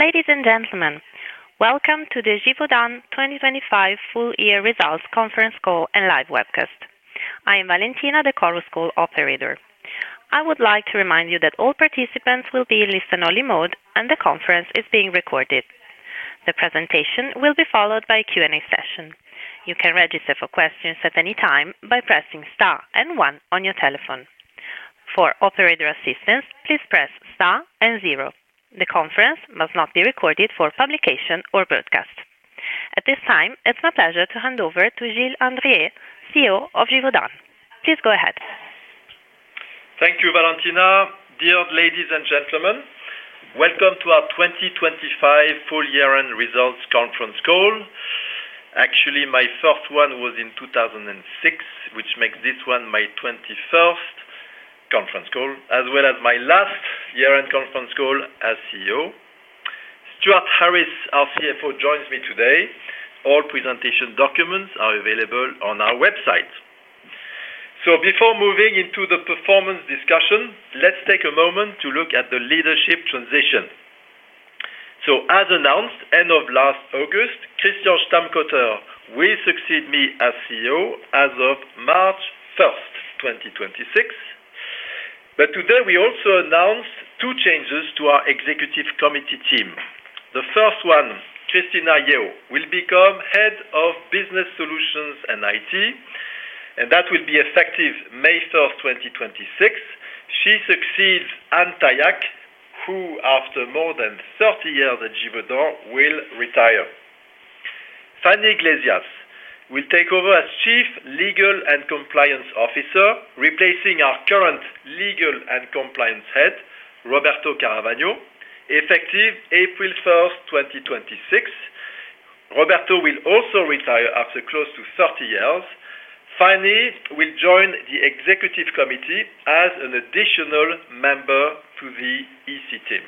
Ladies and gentlemen, welcome to the Givaudan 2025 Full Year Results Conference Call and Live Webcast. I am Valentina, the conference call operator. I would like to remind you that all participants will be in listen-only mode, and the conference is being recorded. The presentation will be followed by a Q&A session. You can register for questions at any time by pressing star and one on your telephone. For operator assistance, please press star and zero. The conference must not be recorded for publication or broadcast. At this time, it's my pleasure to hand over to Gilles Andrier, CEO of Givaudan. Please go ahead. Thank you, Valentina. Dear ladies and gentlemen, welcome to our 2025 full year-end results conference call. Actually, my first one was in 2006, which makes this one my 21st conference call, as well as my last year-end conference call as CEO. Stewart Harris, our CFO, joins me today. All presentation documents are available on our website. So before moving into the performance discussion, let's take a moment to look at the leadership transition. So as announced, end of last August, Christian Stammkoetter will succeed me as CEO as of March 1, 2026. But today, we also announced two changes to our executive committee team. The first one, Christina Yeo, will become Head of Business Solutions and IT, and that will be effective May 1, 2026. She succeeds Anne Tayac, who, after more than 30 years at Givaudan, will retire. Fanny Iglesias will take over as Chief Legal and Compliance Officer, replacing our current Legal and Compliance Head, Roberto Garavagno, effective April 1, 2026. Roberto will also retire after close to 30 years. Fanny will join the executive committee as an additional member to the EC team.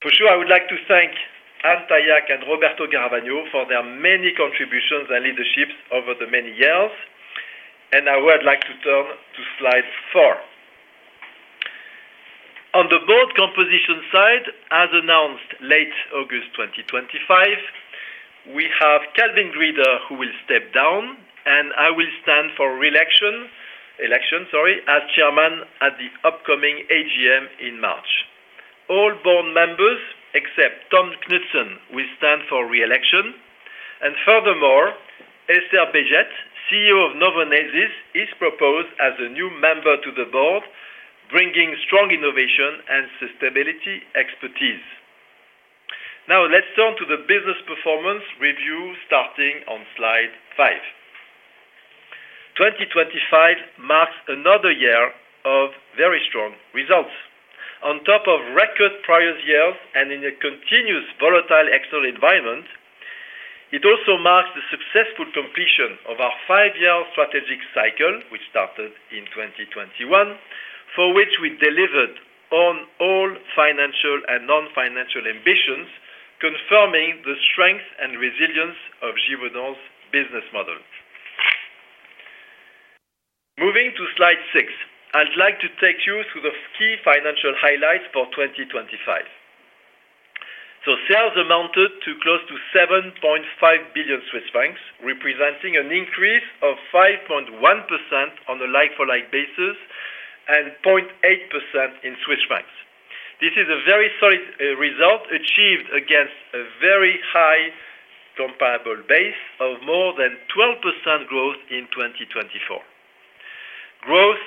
For sure, I would like to thank Anne Tayac and Roberto Garavagno for their many contributions and leaderships over the many years, and I would like to turn to slide 4. On the board composition side, as announced late August 2025, we have Calvin Grieder, who will step down, and I will stand for reelection, election, sorry, as chairman at the upcoming AGM in March. All board members, except Tom Knutzen, will stand for reelection, and furthermore, Esther Baiget, CEO of Novonesis, is proposed as a new member to the board, bringing strong innovation and sustainability expertise. Now, let's turn to the business performance review, starting on slide 5. 2025 marks another year of very strong results. On top of record prior years and in a continuous volatile external environment, it also marks the successful completion of our 5-year strategic cycle, which started in 2021, for which we delivered on all financial and non-financial ambitions, confirming the strength and resilience of Givaudan's business model. Moving to slide 6, I'd like to take you through the key financial highlights for 2025. So sales amounted to close to 7.5 billion Swiss francs, representing an increase of 5.1 on a like-for-like basis and 0.8% in Swiss francs. This is a very solid result achieved against a very high comparable base of more than 12% growth in 2024. Growth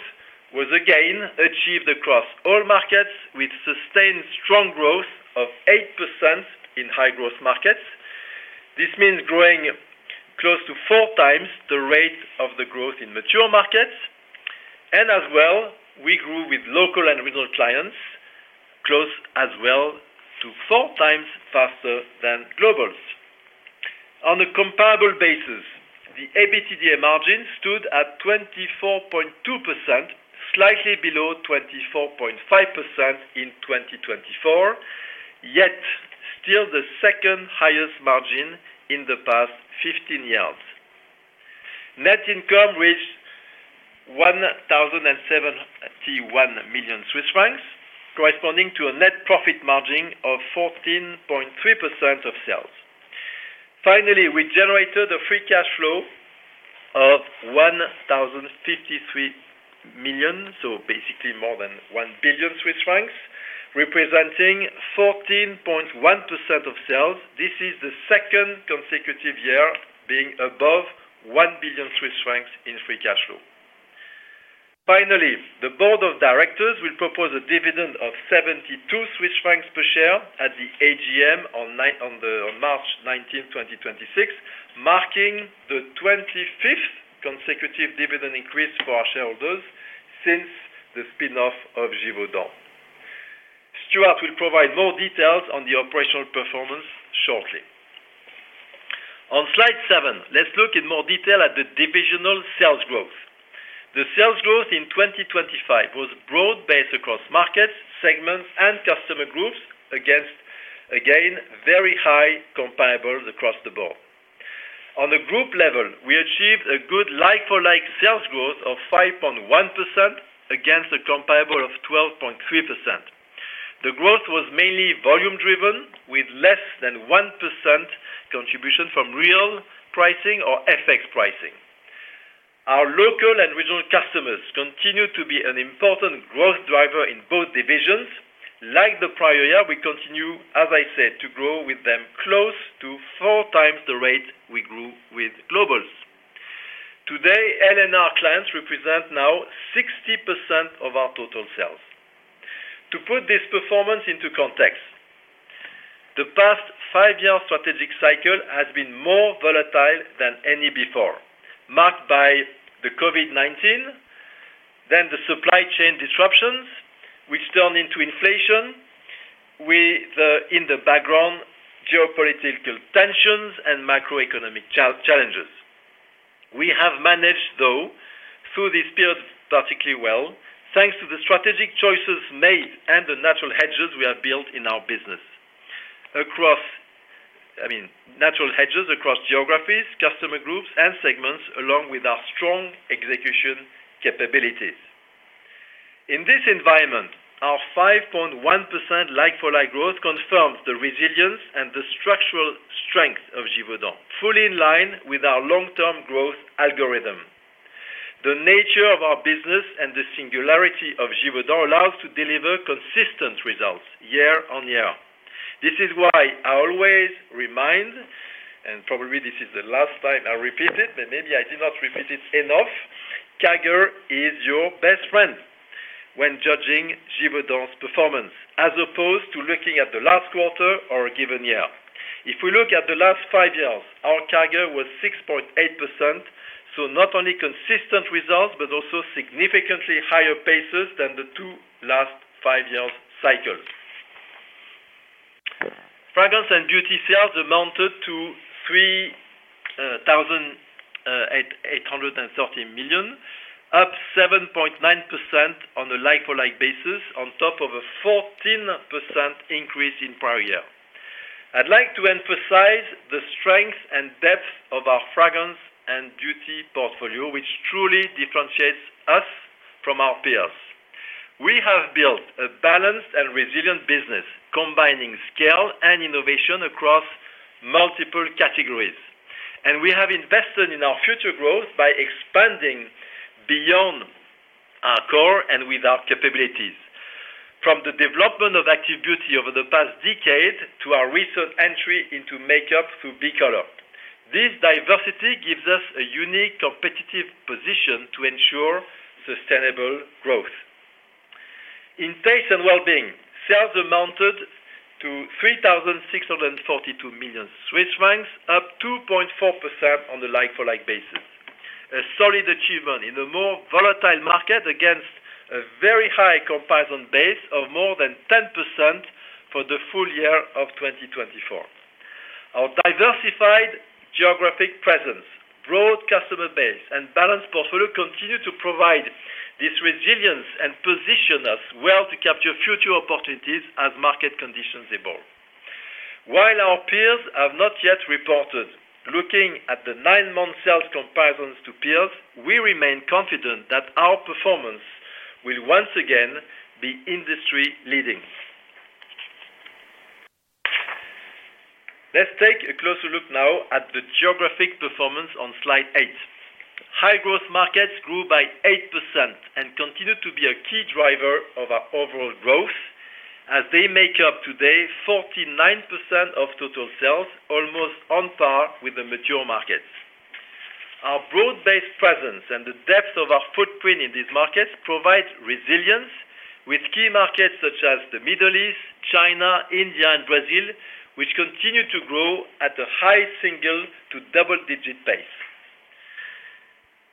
was again achieved across all markets, with sustained strong growth of 8% in high-growth markets. This means growing close to 4 times the rate of the growth in mature markets, and as well, we grew with local and regional clients, close as well to 4 times faster than globals. On a comparable basis, the EBITDA margin stood at 24.2%, slightly below 24.5% in 2024, yet still the second highest margin in the past 15 years. Net income reached 1,071 million Swiss francs, corresponding to a net profit margin of 14.3% of sales. Finally, we generated a free cash flow of 1,053 million, so basically more than 1 billion Swiss francs, representing 14.1% of sales. This is the second consecutive year being above 1 billion Swiss francs in free cash flow. Finally, the board of directors will propose a dividend of 72 Swiss francs per share at the AGM on March 19, 2026, marking the 25th consecutive dividend increase for our shareholders since the spin-off of Givaudan. Stewart will provide more details on the operational performance shortly. On slide 7, let's look in more detail at the divisional sales growth. The sales growth in 2025 was broad-based across markets, segments, and customer groups against, again, very high comparables across the board. On the group level, we achieved a good like-for-like sales growth of 5.1% against a comparable of 12.3%. The growth was mainly volume-driven, with less than 1% contribution from real pricing or FX pricing. Our local and regional customers continue to be an important growth driver in both divisions. Like the prior year, we continue, as I said, to grow with them close to 4x the rate we grew with globals. Today, L&R clients represent now 60% of our total sales. To put this performance into context, the past 5-year strategic cycle has been more volatile than any before, marked by the COVID-19, then the supply chain disruptions, which turned into inflation, with the, in the background, geopolitical tensions and macroeconomic challenges. We have managed, though, through this period particularly well, thanks to the strategic choices made and the natural hedges we have built in our business. Across, I mean, natural hedges across geographies, customer groups, and segments, along with our strong execution capabilities. In this environment, our 5.1% like-for-like growth confirms the resilience and the structural strength of Givaudan, fully in line with our long-term growth algorithm. The nature of our business and the singularity of Givaudan allows to deliver consistent results year-on-year. This is why I always remind, and probably this is the last time I repeat it, but maybe I did not repeat it enough, CAGR is your best friend when judging Givaudan's performance, as opposed to looking at the last quarter or a given year. If we look at the last five years, our CAGR was 6.8%, so not only consistent results, but also significantly higher paces than the two last five-year cycles. Fragrance & Beauty sales amounted to 3,830 million, up 7.9% on a like-for-like basis, on top of a 14% increase in prior year. I'd like to emphasize the strength and depth of our Fragrance & Beauty portfolio, which truly differentiates us from our peers. We have built a balanced and resilient business, combining scale and innovation across multiple categories, and we have invested in our future growth by expanding beyond our core and with our capabilities. From the development of Active Beauty over the past decade to our recent entry into makeup through b.kolor. This diversity gives us a unique competitive position to ensure sustainable growth. In Taste & Wellbeing, sales amounted to 3,642 million Swiss francs, up 2.4% on the like-for-like basis. A solid achievement in a more volatile market against a very high comparison base of more than 10% for the full year of 2024. Our diversified geographic presence, broad customer base, and balanced portfolio continue to provide this resilience and position us well to capture future opportunities as market conditions evolve. While our peers have not yet reported, looking at the 9-month sales comparisons to peers, we remain confident that our performance will once again be industry-leading. Let's take a closer look now at the geographic performance on slide 8. High-growth markets grew by 8% and continue to be a key driver of our overall growth, as they make up today 49% of total sales, almost on par with the mature markets. Our broad-based presence and the depth of our footprint in these markets provide resilience with key markets such as the Middle East, China, India, and Brazil, which continue to grow at a high single to double-digit pace.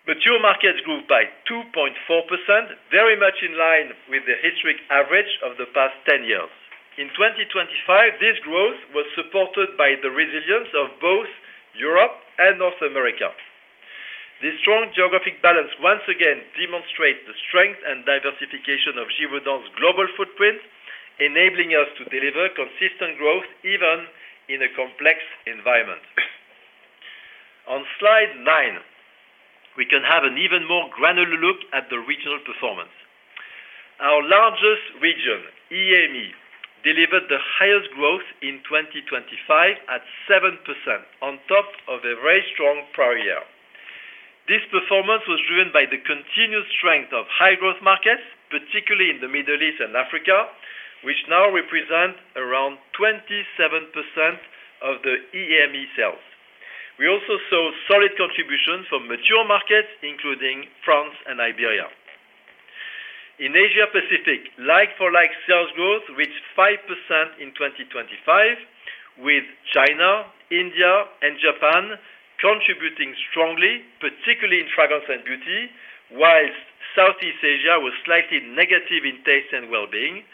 Mature markets grew by 2.4%, very much in line with the historic average of the past 10 years. In 2025, this growth was supported by the resilience of both Europe and North America. This strong geographic balance once again demonstrates the strength and diversification of Givaudan's global footprint, enabling us to deliver consistent growth even in a complex environment. On slide 9, we can have an even more granular look at the regional performance. Our largest region, EAME, delivered the highest growth in 2025 at 7% on top of a very strong prior year. This performance was driven by the continuous strength of high-growth markets, particularly in the Middle East and Africa, which now represent around 27% of the EAME sales. We also saw solid contributions from mature markets, including France and Iberia. In Asia Pacific, like-for-like sales growth reached 5% in 2025, with China, India, and Japan contributing strongly, particularly in Fragrance & Beauty, whilst Southeast Asia was slightly negative in Taste & Wellbeing,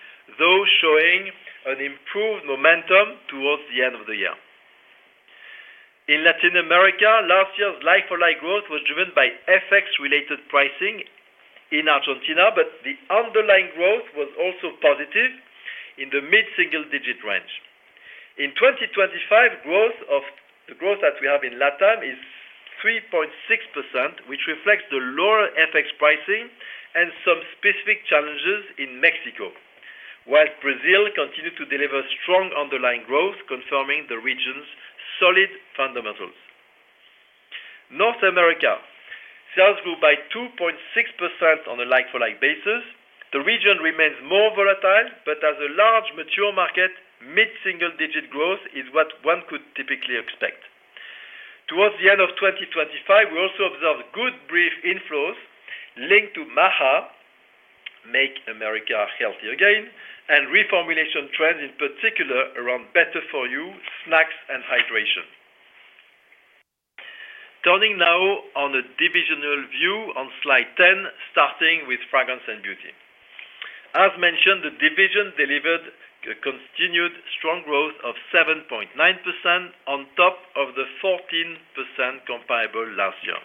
though showing an improved momentum towards the end of the year. In Latin America, last year's like-for-like growth was driven by FX-related pricing in Argentina, but the underlying growth was also positive in the mid-single digit range. In 2025, the growth that we have in LATAM is 3.6%, which reflects the lower FX pricing and some specific challenges in Mexico, while Brazil continued to deliver strong underlying growth, confirming the region's solid fundamentals. North America, sales grew by 2.6% on a like-for-like basis. The region remains more volatile, but as a large mature market, mid-single digit growth is what one could typically expect. Towards the end of 2025, we also observed good beverage inflows linked to MAHA, Make America Healthy Again, and reformulation trends, in particular, around better-for-you snacks and hydration. Turning now to a divisional view on slide 10, starting with Fragrance & Beauty. As mentioned, the division delivered a continued strong growth of 7.9% on top of the 14% comparable last year.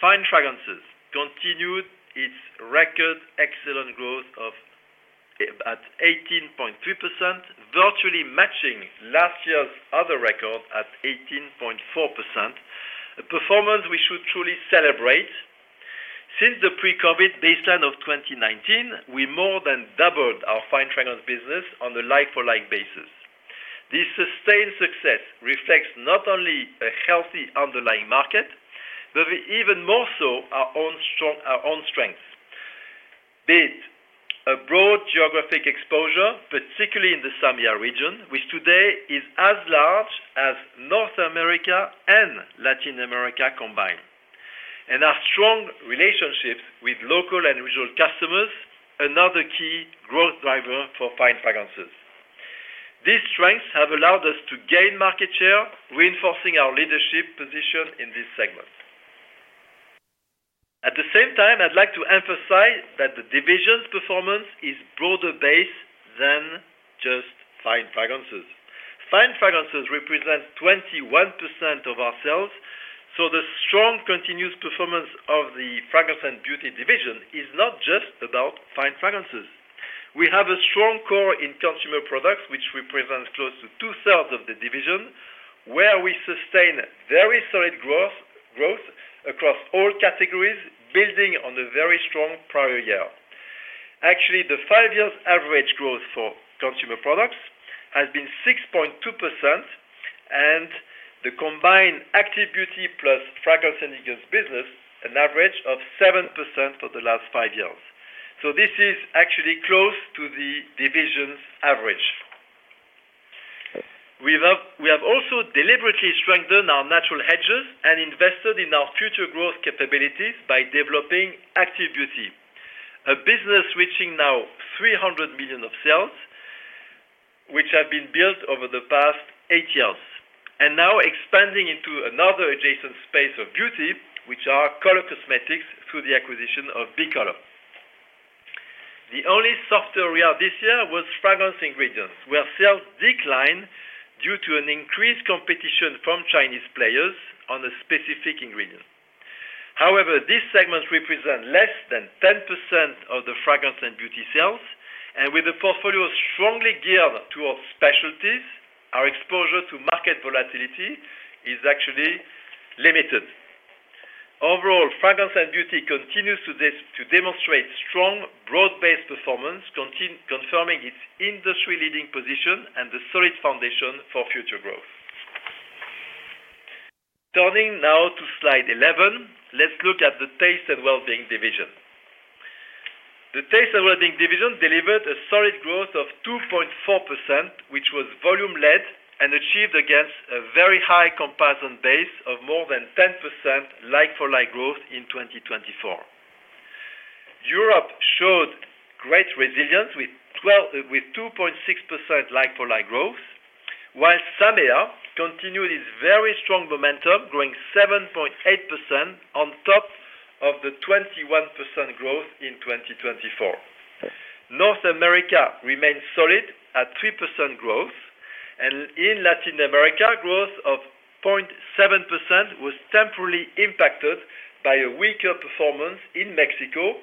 Fine Fragrances continued its record excellent growth of, at 18.3%, virtually matching last year's other record at 18.4%, a performance we should truly celebrate. Since the pre-COVID baseline of 2019, we more than doubled our fine fragrance business on a like-for-like basis. This sustained success reflects not only a healthy underlying market, but even more so, our own strong, our own strengths. Be it a broad geographic exposure, particularly in the SAMEA region, which today is as large as North America and Latin America combined, and our strong relationships with local and regional customers, another key growth driver for Fine Fragrances. These strengths have allowed us to gain market share, reinforcing our leadership position in this segment. At the same time, I'd like to emphasize that the division's performance is broader-based than just Fine Fragrances. Fine Fragrances represent 21% of our sales, so the strong, continuous performance of the Fragrance & Beauty division is not just about Fine Fragrances. We have a strong core in consumer products, which represents close to two-thirds of the division, where we sustain very solid growth, growth across all categories, building on a very strong prior year. Actually, the 5-year average growth for consumer products has been 6.2%, and the combined Active Beauty plus fragrance and ingredients business, an average of 7% for the last five years. So this is actually close to the division's average. We have also deliberately strengthened our natural hedges and invested in our future growth capabilities by developing Active Beauty, a business reaching now 300 million of sales, which have been built over the past eight years, and now expanding into another adjacent space of beauty, which are color cosmetics, through the acquisition of b.kolor. The only softer area this year was Fragrance Ingredients, where sales declined due to an increased competition from Chinese players on a specific ingredient. However, this segment represents less than 10% of the Fragrance & Beauty sales, and with a portfolio strongly geared towards specialties, our exposure to market volatility is actually limited. Overall, Fragrance & Beauty continues to demonstrate strong, broad-based performance, confirming its industry-leading position and a solid foundation for future growth. Turning now to slide 11, let's look at the Taste & Wellbeing division. The Taste & Wellbeing division delivered a solid growth of 2.4%, which was volume-led and achieved against a very high comparison base of more than 10% like-for-like growth in 2024. Europe showed great resilience with 2.6% like-for-like growth, while SAMEA continued its very strong momentum, growing 7.8% on top of the 21% growth in 2024. North America remains solid at 3% growth, and in Latin America, growth of 0.7% was temporarily impacted by a weaker performance in Mexico,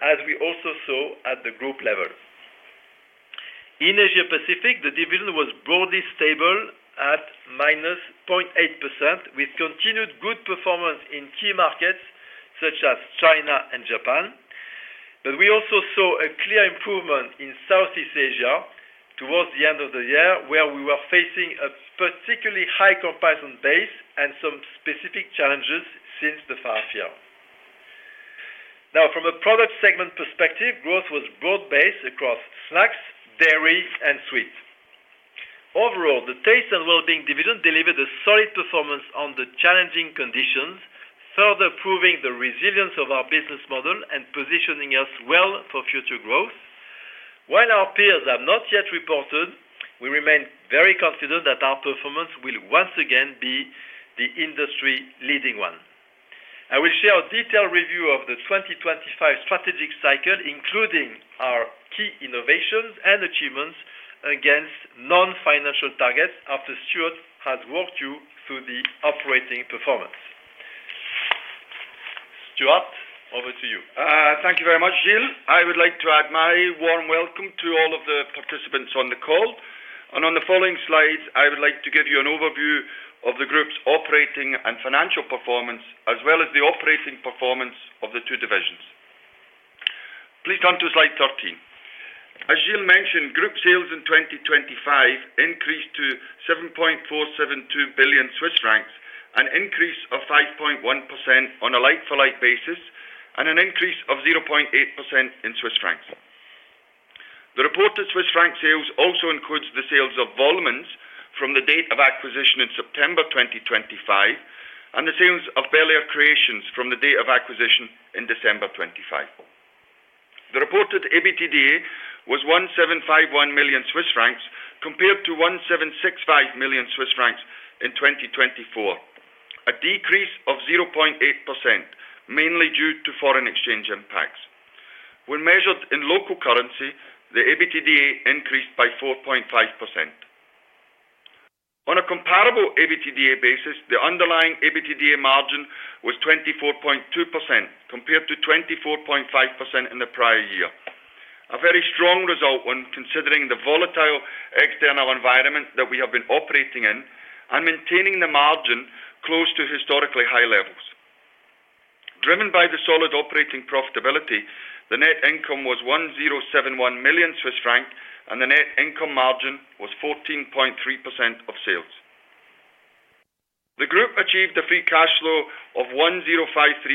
as we also saw at the group level. In Asia Pacific, the division was broadly stable at -0.8%, with continued good performance in key markets such as China and Japan. But we also saw a clear improvement in Southeast Asia towards the end of the year, where we were facing a particularly high comparison base and some specific challenges since the past year. Now, from a product segment perspective, growth was broad-based across snacks, dairy, and sweets. Overall, the Taste & Wellbeing division delivered a solid performance on the challenging conditions, further proving the resilience of our business model and positioning us well for future growth. While our peers have not yet reported, we remain very confident that our performance will once again be the industry-leading one. I will share a detailed review of the 2025 strategic cycle, including our key innovations and achievements... against non-financial targets after Stewart has walked you through the operating performance. Stewart, over to you. Thank you very much, Gilles. I would like to add my warm welcome to all of the participants on the call, and on the following slides, I would like to give you an overview of the group's operating and financial performance, as well as the operating performance of the two divisions. Please turn to slide 13. As Gilles mentioned, group sales in 2025 increased to 7.472 billion Swiss francs, an increase of 5.1% on a like-for-like basis, and an increase of 0.8% in Swiss francs. The reported Swiss franc sales also includes the sales of Vollmens from the date of acquisition in September 2025, and the sales of Belle Aire Creations from the day of acquisition in December 2025. The reported EBITDA was 1,751 million Swiss francs, compared to 1,765 million Swiss francs in 2024, a decrease of 0.8%, mainly due to foreign exchange impacts. When measured in local currency, the EBITDA increased by 4.5%. On a comparable EBITDA basis, the underlying EBITDA margin was 24.2%, compared to 24.5% in the prior year. A very strong result when considering the volatile external environment that we have been operating in and maintaining the margin close to historically high levels. Driven by the solid operating profitability, the net income was 1,071 million Swiss franc, and the net income margin was 14.3% of sales. The group achieved a free cash flow of 1,053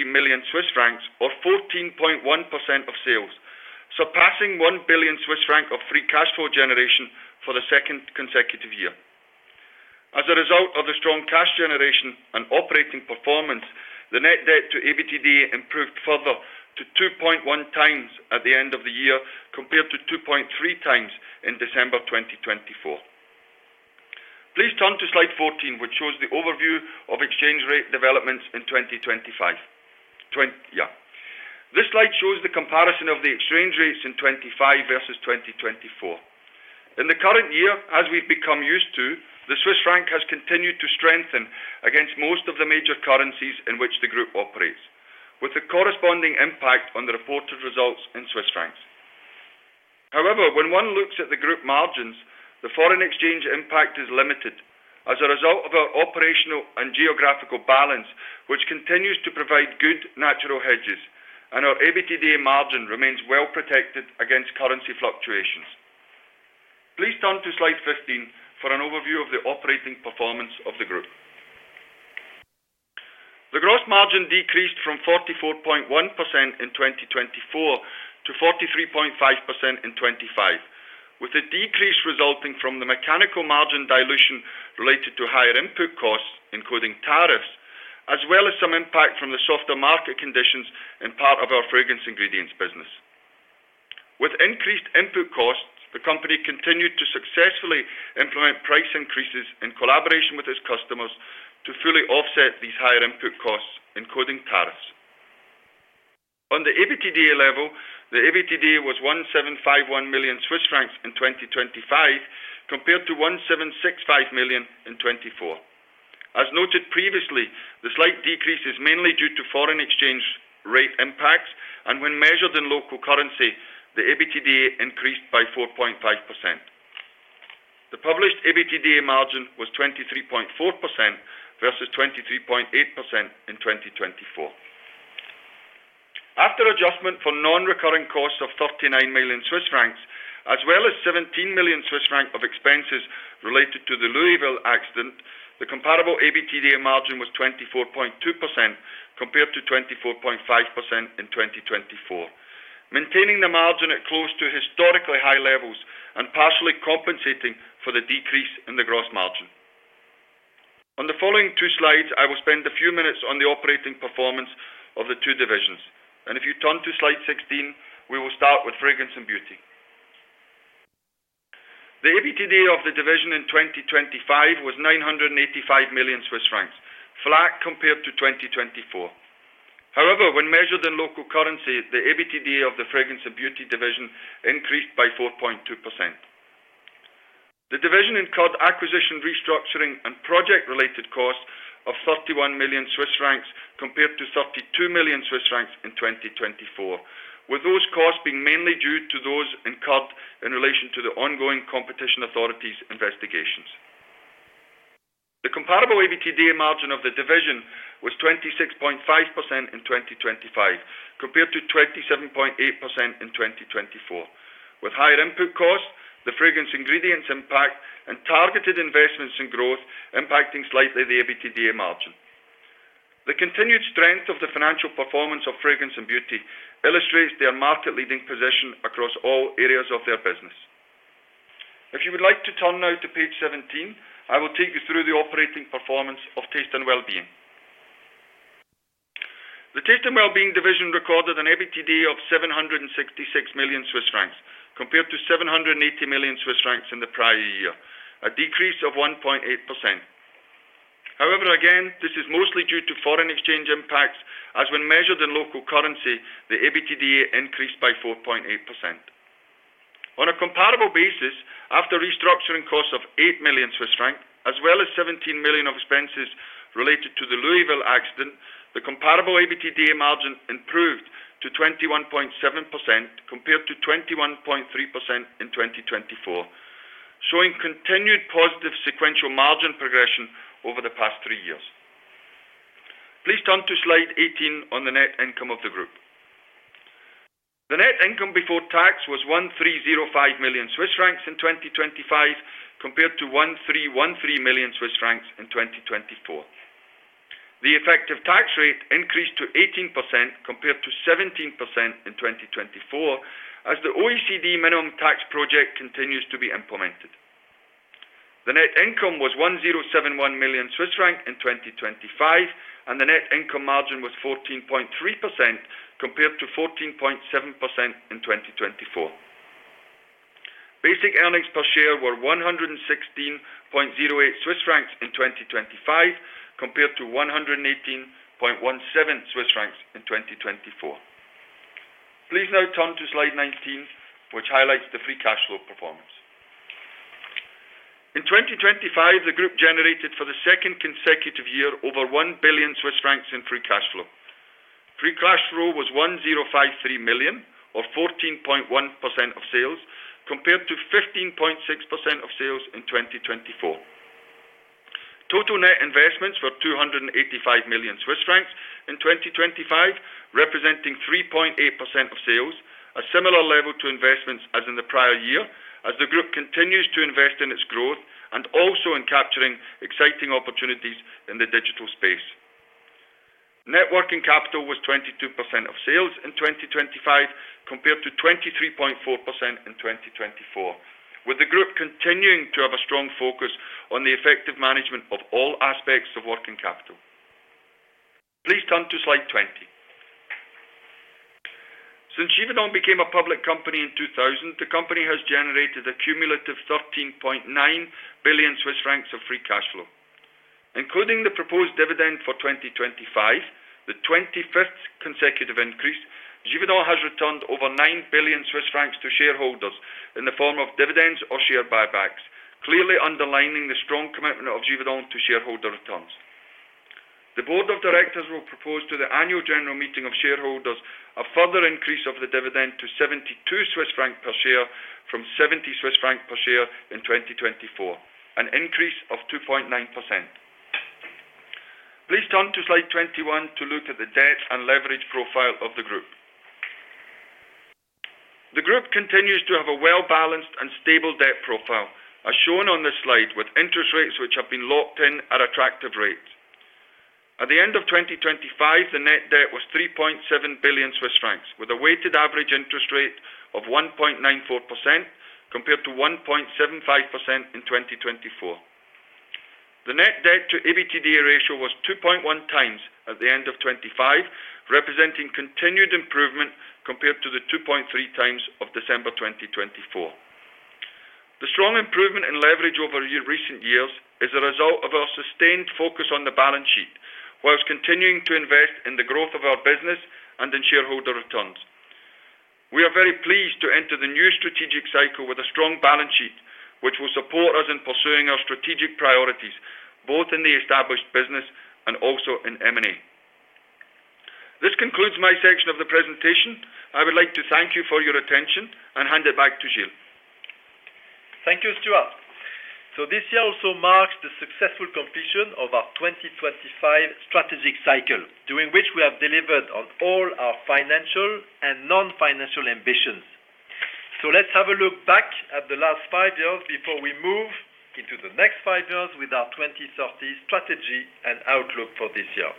million Swiss francs, or 14.1% of sales, surpassing 1 billion Swiss franc of free cash flow generation for the second consecutive year. As a result of the strong cash generation and operating performance, the net debt to EBITDA improved further to 2.1x at the end of the year, compared to 2.3x in December 2024. Please turn to slide 14, which shows the overview of exchange rate developments in 2025. This slide shows the comparison of the exchange rates in 25 versus 2024. In the current year, as we've become used to, the Swiss franc has continued to strengthen against most of the major currencies in which the group operates, with a corresponding impact on the reported results in Swiss francs. However, when one looks at the group margins, the foreign exchange impact is limited as a result of our operational and geographical balance, which continues to provide good natural hedges, and our EBITDA margin remains well protected against currency fluctuations. Please turn to slide 15 for an overview of the operating performance of the group. The gross margin decreased from 44.1% in 2024 to 43.5% in 2025, with a decrease resulting from the mechanical margin dilution related to higher input costs, including tariffs, as well as some impact from the softer market conditions in part of our Fragrance Ingredients business. With increased input costs, the company continued to successfully implement price increases in collaboration with its customers to fully offset these higher input costs, including tariffs. On the EBITDA level, the EBITDA was 1,751 million Swiss francs in 2025, compared to 1,765 million in 2024. As noted previously, the slight decrease is mainly due to foreign exchange rate impacts, and when measured in local currency, the EBITDA increased by 4.5%. The published EBITDA margin was 23.4% versus 23.8% in 2024. After adjustment for non-recurring costs of 39 million Swiss francs, as well as 17 million Swiss francs of expenses related to the Louisville accident, the comparable EBITDA margin was 24.2%, compared to 24.5% in 2024, maintaining the margin at close to historically high levels and partially compensating for the decrease in the gross margin. On the following two slides, I will spend a few minutes on the operating performance of the two divisions, and if you turn to slide 16, we will start with Fragrance & Beauty. The EBITDA of the division in 2025 was 985 million Swiss francs, flat compared to 2024. However, when measured in local currency, the EBITDA of the Fragrance & Beauty division increased by 4.2%. The division incurred acquisition, restructuring, and project-related costs of 31 million Swiss francs compared to 32 million Swiss francs in 2024, with those costs being mainly due to those incurred in relation to the ongoing competition authority's investigations. The comparable EBITDA margin of the division was 26.5% in 2025, compared to 27.8% in 2024. With higher input costs, the Fragrance Ingredients impact and targeted investments in growth impacting slightly the EBITDA margin. The continued strength of the financial performance of Fragrance & Beauty illustrates their market-leading position across all areas of their business. If you would like to turn now to page 17, I will take you through the operating performance of Taste & Wellbeing. The Taste & Wellbeing division recorded an EBITDA of 766 million Swiss francs, compared to 780 million Swiss francs in the prior year, a decrease of 1.8%. However, again, this is mostly due to foreign exchange impacts, as when measured in local currency, the EBITDA increased by 4.8%. On a comparable basis, after restructuring costs of 8 million Swiss francs, as well as 17 million of expenses related to the Louisville accident, the comparable EBITDA margin improved to 21.7%, compared to 21.3% in 2024, showing continued positive sequential margin progression over the past three years. Please turn to slide 18 on the net income of the group. The net income before tax was 1,305 million Swiss francs in 2025, compared to 1,313 million Swiss francs in 2024. The effective tax rate increased to 18%, compared to 17% in 2024, as the OECD minimum tax project continues to be implemented. The net income was 1,071 million Swiss franc in 2025, and the net income margin was 14.3%, compared to 14.7% in 2024. Basic earnings per share were 116.08 Swiss francs in 2025, compared to 118.17 Swiss francs in 2024. Please now turn to slide 19, which highlights the free cash flow performance. In 2025, the group generated, for the second consecutive year, over 1 billion Swiss francs in free cash flow. Free cash flow was 1,053 million, or 14.1% of sales, compared to 15.6% of sales in 2024. Total net investments were 285 million Swiss francs in 2025, representing 3.8% of sales, a similar level to investments as in the prior year, as the group continues to invest in its growth and also in capturing exciting opportunities in the digital space. Net working capital was 22% of sales in 2025, compared to 23.4% in 2024, with the group continuing to have a strong focus on the effective management of all aspects of working capital. Please turn to slide 20. Since Givaudan became a public company in 2000, the company has generated a cumulative 13.9 billion Swiss francs of free cash flow. Including the proposed dividend for 2025, the 25th consecutive increase, Givaudan has returned over 9 billion Swiss francs to shareholders in the form of dividends or share buybacks, clearly underlining the strong commitment of Givaudan to shareholder returns. The board of directors will propose to the annual general meeting of shareholders a further increase of the dividend to 72 Swiss francs per share from 70 Swiss francs per share in 2024, an increase of 2.9%. Please turn to slide 21 to look at the debt and leverage profile of the group. The group continues to have a well-balanced and stable debt profile, as shown on this slide, with interest rates which have been locked in at attractive rates. At the end of 2025, the net debt was 3.7 billion Swiss francs, with a weighted average interest rate of 1.94%, compared to 1.75% in 2024. The net debt to EBITDA ratio was 2.1x at the end of 2025, representing continued improvement compared to the 2.3 times of December 2024. The strong improvement in leverage over recent years is a result of our sustained focus on the balance sheet, while continuing to invest in the growth of our business and in shareholder returns. We are very pleased to enter the new strategic cycle with a strong balance sheet, which will support us in pursuing our strategic priorities, both in the established business and also in M&A. This concludes my section of the presentation. I would like to thank you for your attention and hand it back to Gilles. Thank you, Stewart. So this year also marks the successful completion of our 2025 strategic cycle, during which we have delivered on all our financial and non-financial ambitions. So let's have a look back at the last five years before we move into the next five years with our 2030 strategy and outlook for this year.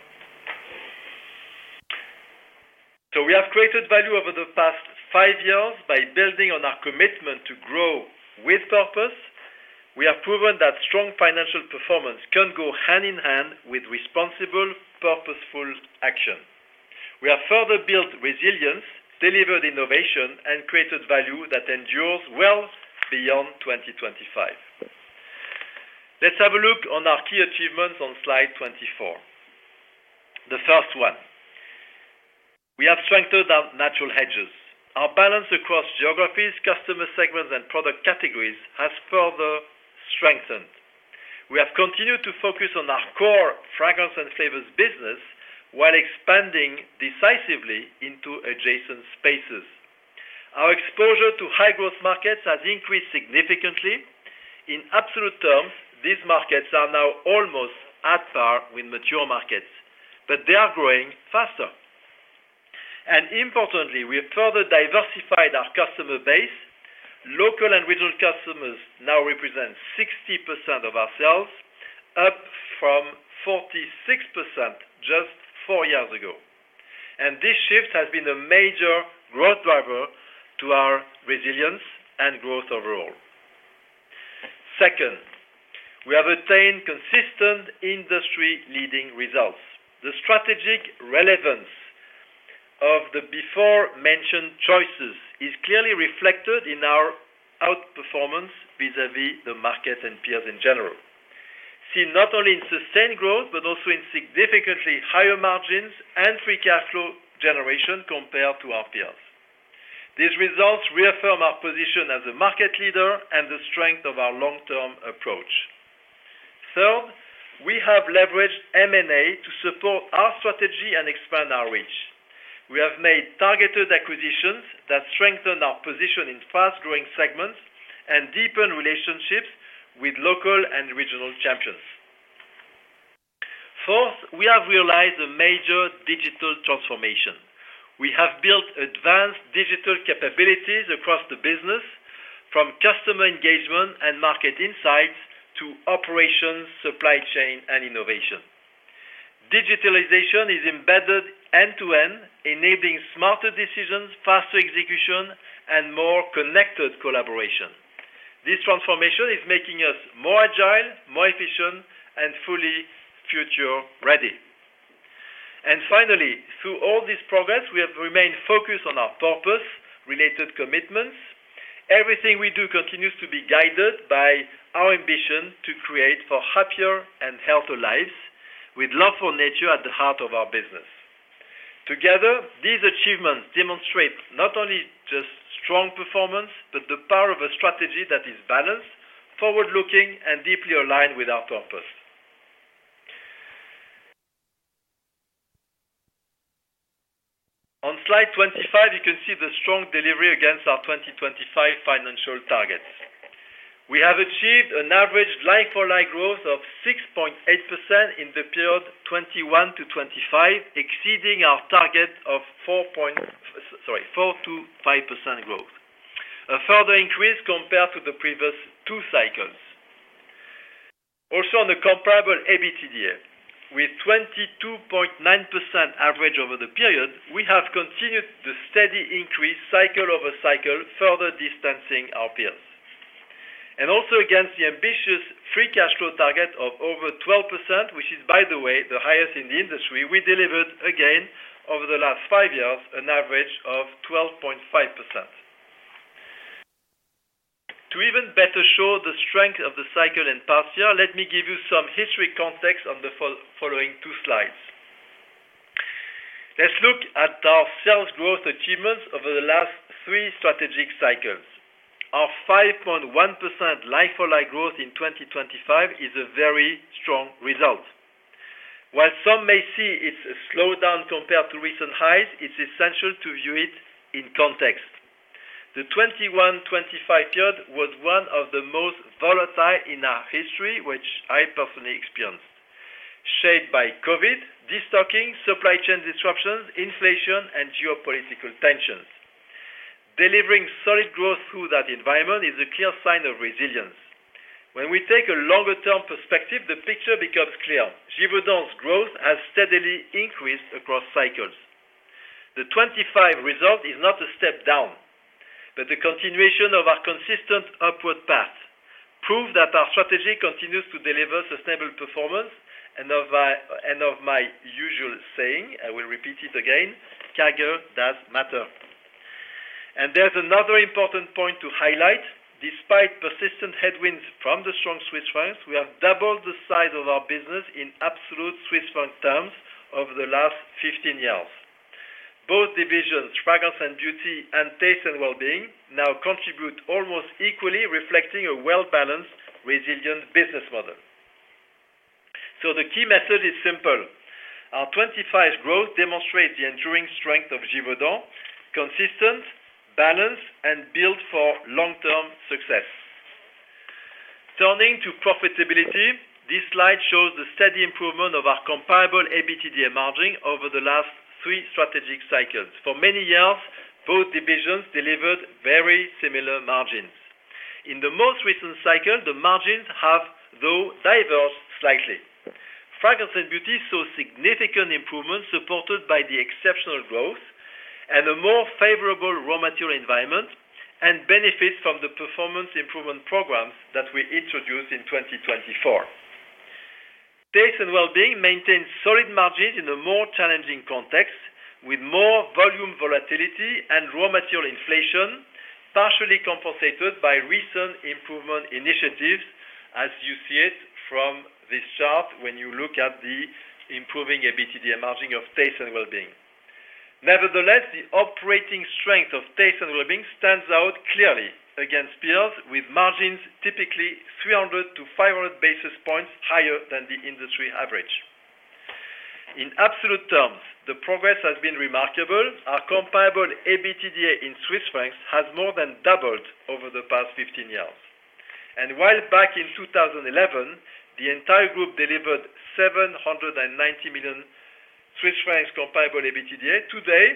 So we have created value over the past five years by building on our commitment to grow with purpose. We have proven that strong financial performance can go hand in hand with responsible, purposeful action. We have further built resilience, delivered innovation, and created value that endures well beyond 2025. Let's have a look on our key achievements on slide 24. The first one, we have strengthened our natural hedges. Our balance across geographies, customer segments, and product categories has further strengthened. We have continued to focus on our core fragrance and flavors business while expanding decisively into adjacent spaces. Our exposure to high-growth markets has increased significantly. In absolute terms, these markets are now almost at par with mature markets, but they are growing faster. And importantly, we have further diversified our customer base. Local and regional customers now represent 60% of our sales, up from 46% just four years ago. And this shift has been a major growth driver to our resilience and growth overall. Second, we have attained consistent industry-leading results. The strategic relevance of the aforementioned choices is clearly reflected in our outperformance vis-à-vis the market and peers in general. Seen not only in sustained growth, but also in significantly higher margins and free cash flow generation compared to our peers. These results reaffirm our position as a market leader and the strength of our long-term approach. Third, we have leveraged M&A to support our strategy and expand our reach. We have made targeted acquisitions that strengthen our position in fast-growing segments and deepen relationships with local and regional champions. Fourth, we have realized a major digital transformation. We have built advanced digital capabilities across the business, from customer engagement and market insights to operations, supply chain, and innovation. Digitalization is embedded end-to-end, enabling smarter decisions, faster execution, and more connected collaboration. This transformation is making us more agile, more efficient, and fully future-ready. And finally, through all this progress, we have remained focused on our purpose-related commitments. Everything we do continues to be guided by our ambition to create for happier and healthier lives, with love for nature at the heart of our business. Together, these achievements demonstrate not only just strong performance, but the power of a strategy that is balanced, forward-looking, and deeply aligned with our purpose. On slide 25, you can see the strong delivery against our 2025 financial targets. We have achieved an average like-for-like growth of 6.8% in the period 2021 to 2025, exceeding our target of 4% to 5% growth. A further increase compared to the previous two cycles. Also, on the comparable EBITDA, with 22.9% average over the period, we have continued the steady increase cycle over cycle, further distancing our peers. And also against the ambitious free cash flow target of over 12%, which is, by the way, the highest in the industry, we delivered again over the last five years, an average of 12.5%. To even better show the strength of the cycle and past year, let me give you some historical context on the following two slides. Let's look at our sales growth achievements over the last three strategic cycles. Our 5.1% like-for-like growth in 2025 is a very strong result. While some may see it's a slowdown compared to recent highs, it's essential to view it in context. The 2021-2025 period was one of the most volatile in our history, which I personally experienced, shaped by COVID, destocking, supply chain disruptions, inflation, and geopolitical tensions. Delivering solid growth through that environment is a clear sign of resilience. When we take a longer-term perspective, the picture becomes clear. Givaudan's growth has steadily increased across cycles. The 25 result is not a step down, but a continuation of our consistent upward path, proof that our strategy continues to deliver sustainable performance, and of my, and of my usual saying, I will repeat it again, CAGR does matter. There's another important point to highlight. Despite persistent headwinds from the strong Swiss franc, we have doubled the size of our business in absolute Swiss franc terms over the last 15 years. Both divisions, Fragrance & Beauty, and Taste & Wellbeing, now contribute almost equally, reflecting a well-balanced, resilient business model. The key method is simple. Our 25 growth demonstrates the enduring strength of Givaudan, consistent, balanced, and built for long-term success. Turning to profitability, this slide shows the steady improvement of our comparable EBITDA margin over the last three strategic cycles. For many years, both divisions delivered very similar margins. In the most recent cycle, the margins have, though, diverged slightly. Fragrance & Beauty saw significant improvement, supported by the exceptional growth and a more favorable raw material environment, and benefits from the performance improvement programs that we introduced in 2024. Taste & Wellbeing maintained solid margins in a more challenging context, with more volume volatility and raw material inflation, partially compensated by recent improvement initiatives, as you see it from this chart when you look at the improving EBITDA margin of Taste & Wellbeing. Nevertheless, the operating strength of Taste & Wellbeing stands out clearly against peers, with margins typically 300-500 basis points higher than the industry average. In absolute terms, the progress has been remarkable. Our comparable EBITDA in Swiss francs has more than doubled over the past 15 years. While back in 2011, the entire group delivered 790 million Swiss francs comparable EBITDA, today,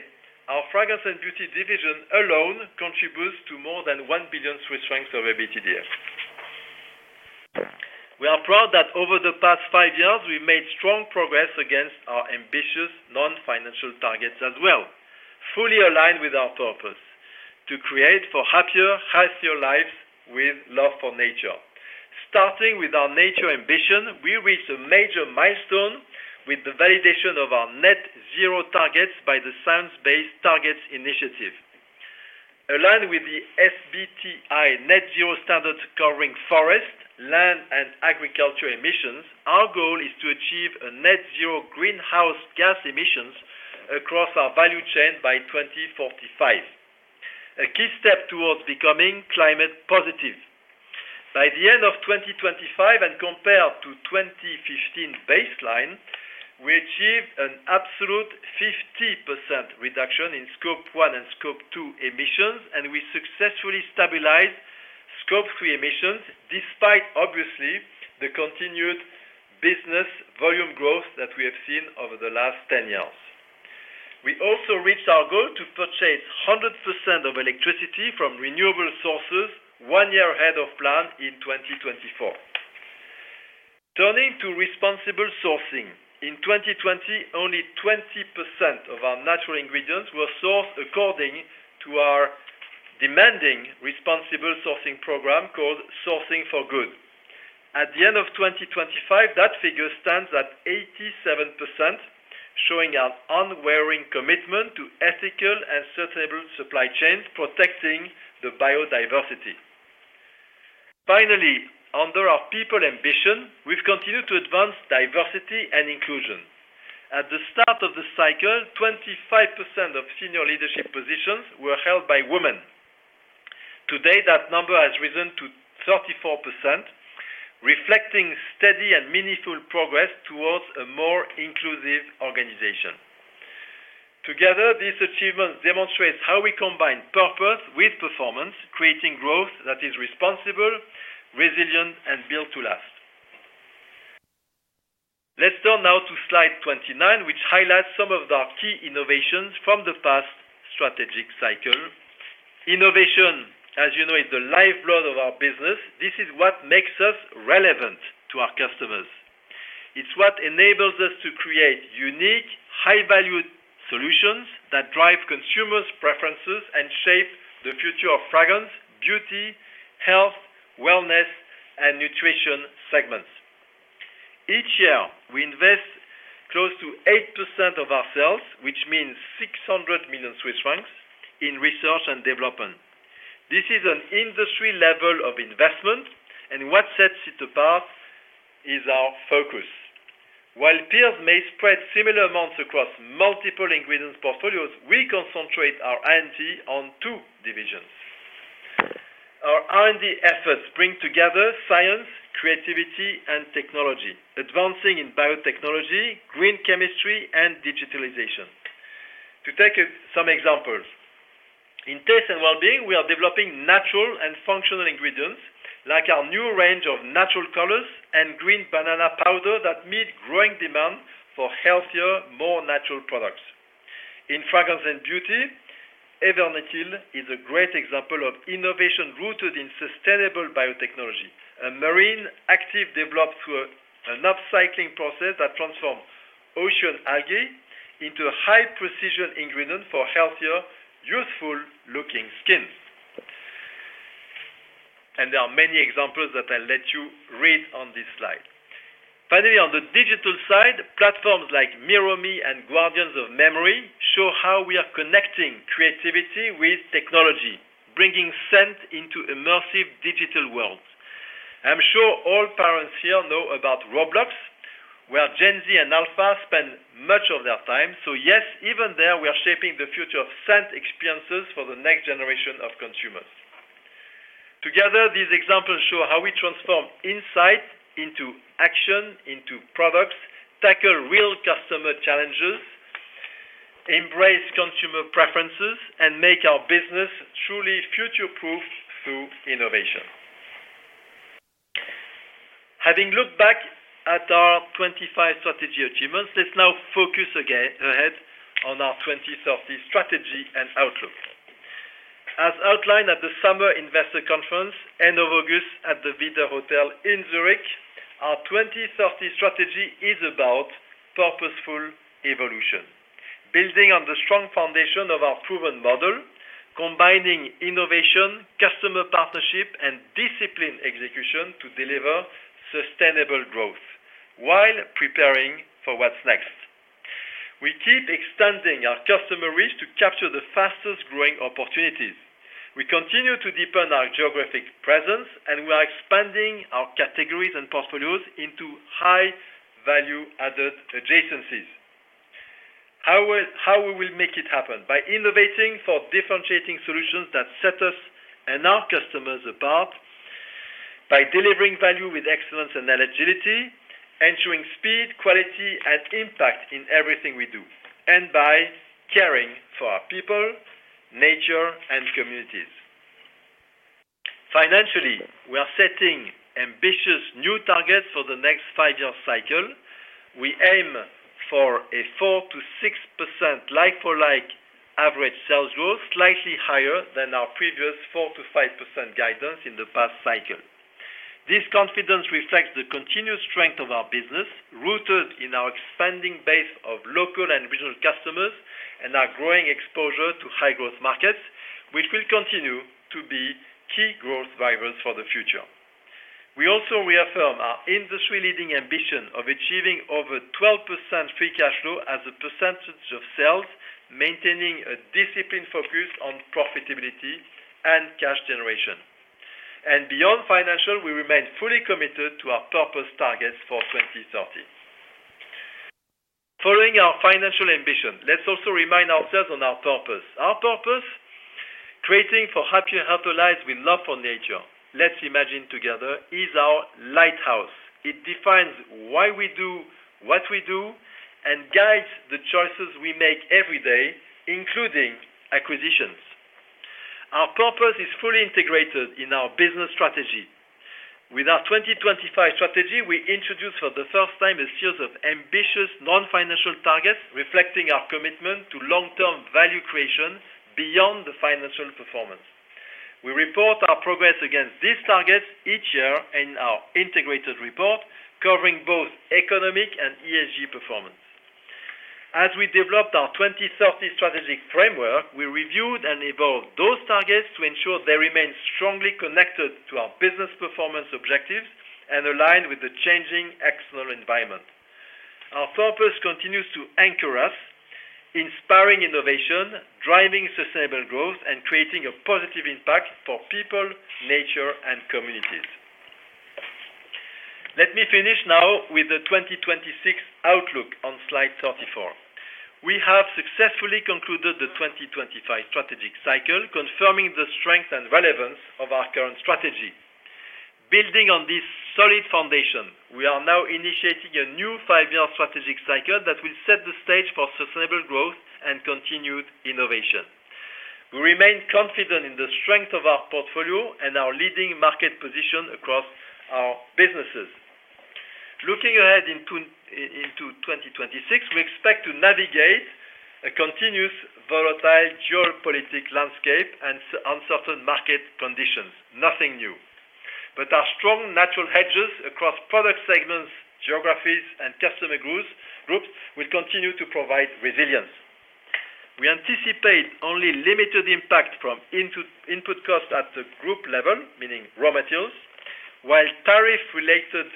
our Fragrance & Beauty division alone contributes to more than 1 billion Swiss francs of EBITDA. We are proud that over the past five years, we made strong progress against our ambitious non-financial targets as well, fully aligned with our purpose: to create for happier, healthier lives with love for nature. Starting with our nature ambition, we reached a major milestone with the validation of our net zero targets by the Science Based Targets initiative. Aligned with the SBTi net zero standard covering forest, land, and agriculture emissions, our goal is to achieve a net zero greenhouse gas emissions across our value chain by 2045, a key step towards becoming climate positive. By the end of 2025, and compared to 2015 baseline, we achieved an absolute 50% reduction in Scope 1 and Scope 2 emissions, and we successfully stabilized Scope 3 emissions, despite obviously, the continued business volume growth that we have seen over the last 10 years. We also reached our goal to purchase 100% of electricity from renewable sources one year ahead of plan in 2024. Turning to responsible sourcing, in 2020, only 20% of our natural ingredients were sourced according to our demanding responsible sourcing program, called Sourcing for Good. At the end of 2025, that figure stands at 87%, showing our unwavering commitment to ethical and sustainable supply chains, protecting the biodiversity. Finally, under our people ambition, we've continued to advance diversity and inclusion. At the start of the cycle, 25% of senior leadership positions were held by women. Today, that number has risen to 34%, reflecting steady and meaningful progress towards a more inclusive organization. Together, this achievement demonstrates how we combine purpose with performance, creating growth that is responsible, resilient, and built to last. Let's turn now to slide 29, which highlights some of our key innovations from the past strategic cycle. Innovation, as you know, is the lifeblood of our business. This is what makes us relevant to our customers. It's what enables us to create unique, high-value solutions that drive consumers' preferences and shape the future of fragrance, beauty, health, wellness, and nutrition segments. Each year, we invest close to 8% of our sales, which means 600 million Swiss francs, in research and development. This is an industry level of investment, and what sets it apart is our focus. While peers may spread similar amounts across multiple ingredients portfolios, we concentrate our R&D on two divisions. Our R&D efforts bring together science, creativity, and technology, advancing in biotechnology, green chemistry, and digitalization. To take some examples, in Taste & Wellbeing, we are developing natural and functional ingredients, like our new range of natural colors and Green Banana Powder that meet growing demand for healthier, more natural products. In Fragrance & Beauty, Evernityl is a great example of innovation rooted in sustainable biotechnology, a marine active developed through an upcycling process that transforms ocean algae into a high-precision ingredient for healthier, youthful-looking skin. And there are many examples that I'll let you read on this slide. Finally, on the digital side, platforms like Myromi and Guardians of Memory show how we are connecting creativity with technology, bringing scent into immersive digital worlds. I'm sure all parents here know about Roblox, where Gen Z and Alpha spend much of their time. So yes, even there, we are shaping the future of scent experiences for the next generation of consumers. Together, these examples show how we transform insight into action, into products, tackle real customer challenges, embrace consumer preferences, and make our business truly future-proof through innovation. Having looked back at our 25 strategy achievements, let's now focus again ahead on our 2030 strategy and outlook. As outlined at the Summer Investor Conference, end of August, at the Widder Hotel in Zurich, our 2030 strategy is about purposeful evolution, building on the strong foundation of our proven model, combining innovation, customer partnership, and disciplined execution to deliver sustainable growth while preparing for what's next. We keep extending our customer reach to capture the fastest-growing opportunities. We continue to deepen our geographic presence, and we are expanding our categories and portfolios into high-value-added adjacencies. How will we make it happen? By innovating for differentiating solutions that set us and our customers apart, by delivering value with excellence and agility, ensuring speed, quality, and impact in everything we do, and by caring for our people, nature, and communities. Financially, we are setting ambitious new targets for the next five-year cycle. We aim for a 4% to 6% like-for-like average sales growth, slightly higher than our previous 4% to 5% guidance in the past cycle. This confidence reflects the continued strength of our business, rooted in our expanding base of local and regional customers, and our growing exposure to high-growth markets, which will continue to be key growth drivers for the future. We also reaffirm our industry-leading ambition of achieving over 12% free cash flow as a percentage of sales, maintaining a disciplined focus on profitability and cash generation. And beyond financial, we remain fully committed to our purpose targets for 2030. Following our financial ambition, let's also remind ourselves on our purpose. Our purpose, creating for happier, healthier lives with love for nature. Let's imagine together is our lighthouse. It defines why we do what we do and guides the choices we make every day, including acquisitions. Our purpose is fully integrated in our business strategy. With our 2025 strategy, we introduced for the first time, a series of ambitious non-financial targets reflecting our commitment to long-term value creation beyond the financial performance. We report our progress against these targets each year in our integrated report, covering both economic and ESG performance. As we developed our 2030 strategic framework, we reviewed and evolved those targets to ensure they remain strongly connected to our business performance objectives and aligned with the changing external environment. Our purpose continues to anchor us, inspiring innovation, driving sustainable growth, and creating a positive impact for people, nature, and communities. Let me finish now with the 2026 outlook on slide 34. We have successfully concluded the 2025 strategic cycle, confirming the strength and relevance of our current strategy. Building on this solid foundation, we are now initiating a new five-year strategic cycle that will set the stage for sustainable growth and continued innovation. We remain confident in the strength of our portfolio and our leading market position across our businesses. Looking ahead into 2026, we expect to navigate a continuous volatile geopolitical landscape and uncertain market conditions. Nothing new. But our strong natural hedges across product segments, geographies, and customer groups will continue to provide resilience. We anticipate only limited impact from input costs at the group level, meaning raw materials, while tariff-related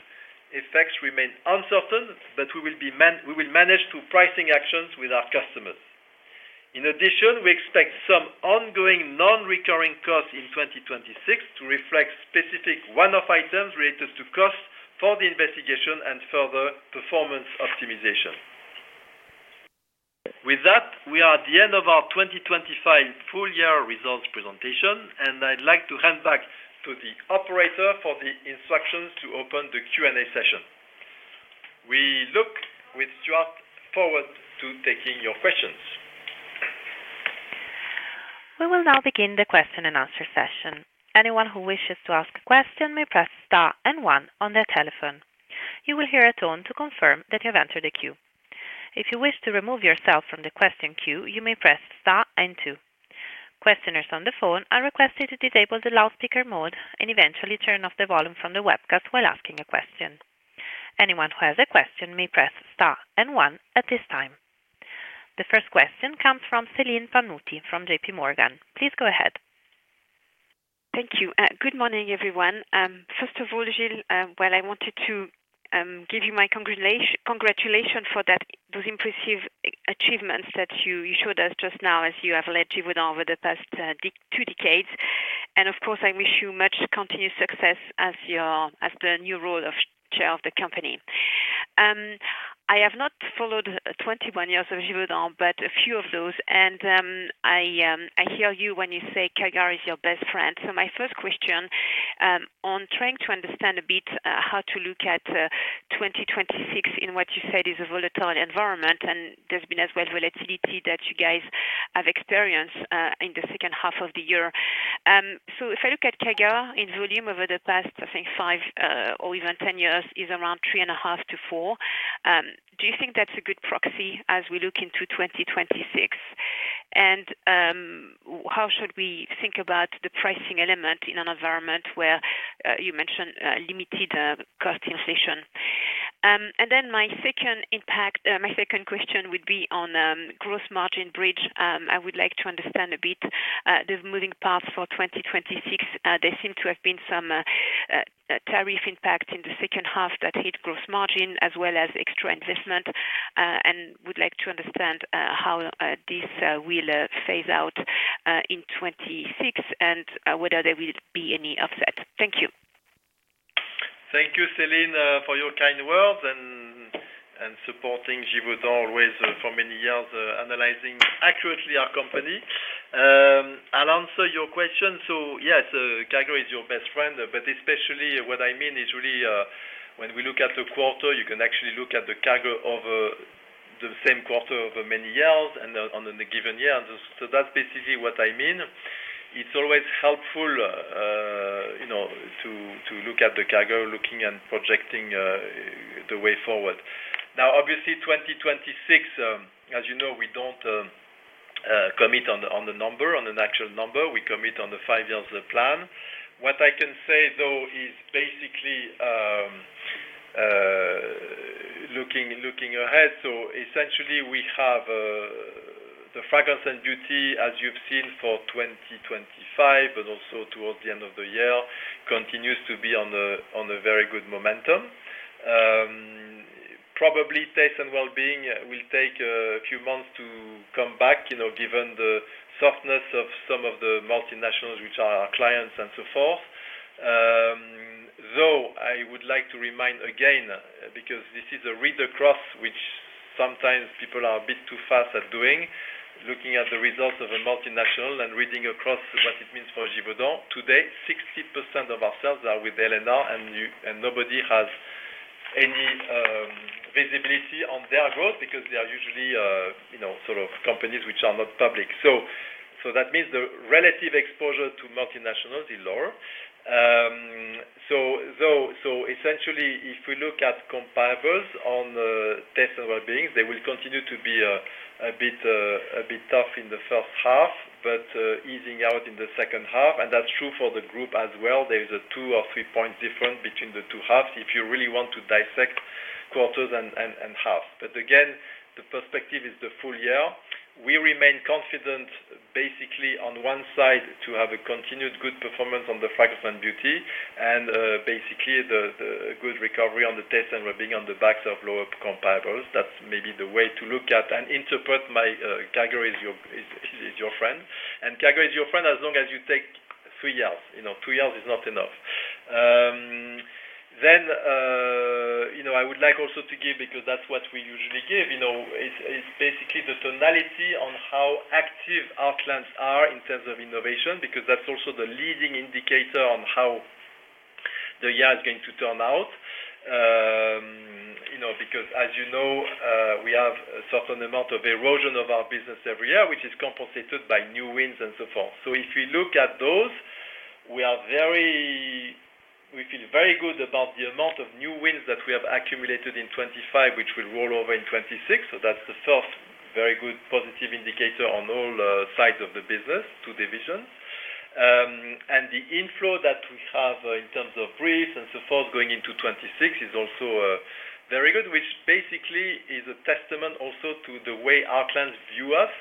effects remain uncertain, but we will manage through pricing actions with our customers. In addition, we expect some ongoing non-recurring costs in 2026 to reflect specific one-off items related to costs for the investigation and further performance optimization. With that, we are at the end of our 2025 full year results presentation, and I'd like to hand back to the operator for the instructions to open the Q&A session. We look forward to taking your questions with Stewart. We will now begin the question and answer session. Anyone who wishes to ask a question may press star and one on their telephone. You will hear a tone to confirm that you've entered the queue. If you wish to remove yourself from the question queue, you may press star and two. Questioners on the phone are requested to disable the loudspeaker mode and eventually turn off the volume from the webcast while asking a question. Anyone who has a question may press star and one at this time. The first question comes from Celine Pannuti from JP Morgan. Please go ahead. Thank you. Good morning, everyone. First of all, Gilles, well, I wanted to give you my congratulation, congratulation for those impressive achievements that you showed us just now as you have led Givaudan over the past two decades. And of course, I wish you much continued success in your new role as chair of the company. I have not followed 21 years of Givaudan, but a few of those, and I hear you when you say CAGR is your best friend. So my first question, on trying to understand a bit, how to look at 2026 in what you said is a volatile environment, and there's been as well volatility that you guys have experienced in the second half of the year. So if I look at CAGR in volume over the past, I think five or even 10 years, is around 3.5 to 4, do you think that's a good proxy as we look into 2026? And how should we think about the pricing element in an environment where you mentioned limited cost inflation? And then my second question would be on growth margin bridge. I would like to understand a bit the moving parts for 2026. There seem to have been some tariff impact in the second half that hit growth margin as well as extra investment, and would like to understand how this will phase out in 2026 and whether there will be any offset. Thank you. Thank you, Celine, for your kind words and supporting Givaudan always for many years, analyzing accurately our company. I'll answer your question. So yes, CAGR is your best friend, but especially what I mean is really, when we look at the quarter, you can actually look at the CAGR over the same quarter over many years and on a given year. So that's basically what I mean. It's always helpful, you know, to look at the CAGR, looking and projecting the way forward. Now, obviously, 2026, as you know, we don't commit on the number, on an actual number. We commit on the five-year plan. What I can say, though, is basically, looking ahead. So essentially, we have the Fragrance & Beauty, as you've seen for 2025, but also towards the end of the year, continues to be on a very good momentum. Probably, Taste & Wellbeing will take a few months to come back, you know, given the softness of some of the multinationals, which are our clients and so forth. Though, I would like to remind again, because this is a read across, which sometimes people are a bit too fast at doing, looking at the results of a multinational and reading across what it means for Givaudan. Today, 60% of our sales are with L&R, and nobody has any visibility on their growth because they are usually, you know, sort of companies which are not public. So, that means the relative exposure to multinationals is lower. So essentially, if we look at comparables on Taste & Wellbeing, they will continue to be a bit tough in the first half, but easing out in the second half, and that's true for the group as well. There is a two or three-point difference between the two halves, if you really want to dissect quarters and halves. But again, the perspective is the full year. We remain confident, basically on one side, to have a continued good performance on the Fragrance & Beauty, and basically, the good recovery on the Taste & Wellbeing on the backs of lower comparables. That's maybe the way to look at and interpret my CAGR is your friend, and CAGR is your friend as long as you take three years. You know, two years is not enough. Then, you know, I would like also to give, because that's what we usually give, you know, is basically the tonality on how active our clients are in terms of innovation, because that's also the leading indicator on how the year is going to turn out. You know, because as you know, we have a certain amount of erosion of our business every year, which is compensated by new wins and so forth. So if we look at those, we are very... We feel very good about the amount of new wins that we have accumulated in 2025, which will roll over in 2026. So that's the first very good positive indicator on all sides of the business, two divisions. And the inflow that we have in terms of briefs and so forth, going into 2026 is also very good, which basically is a testament also to the way our clients view us,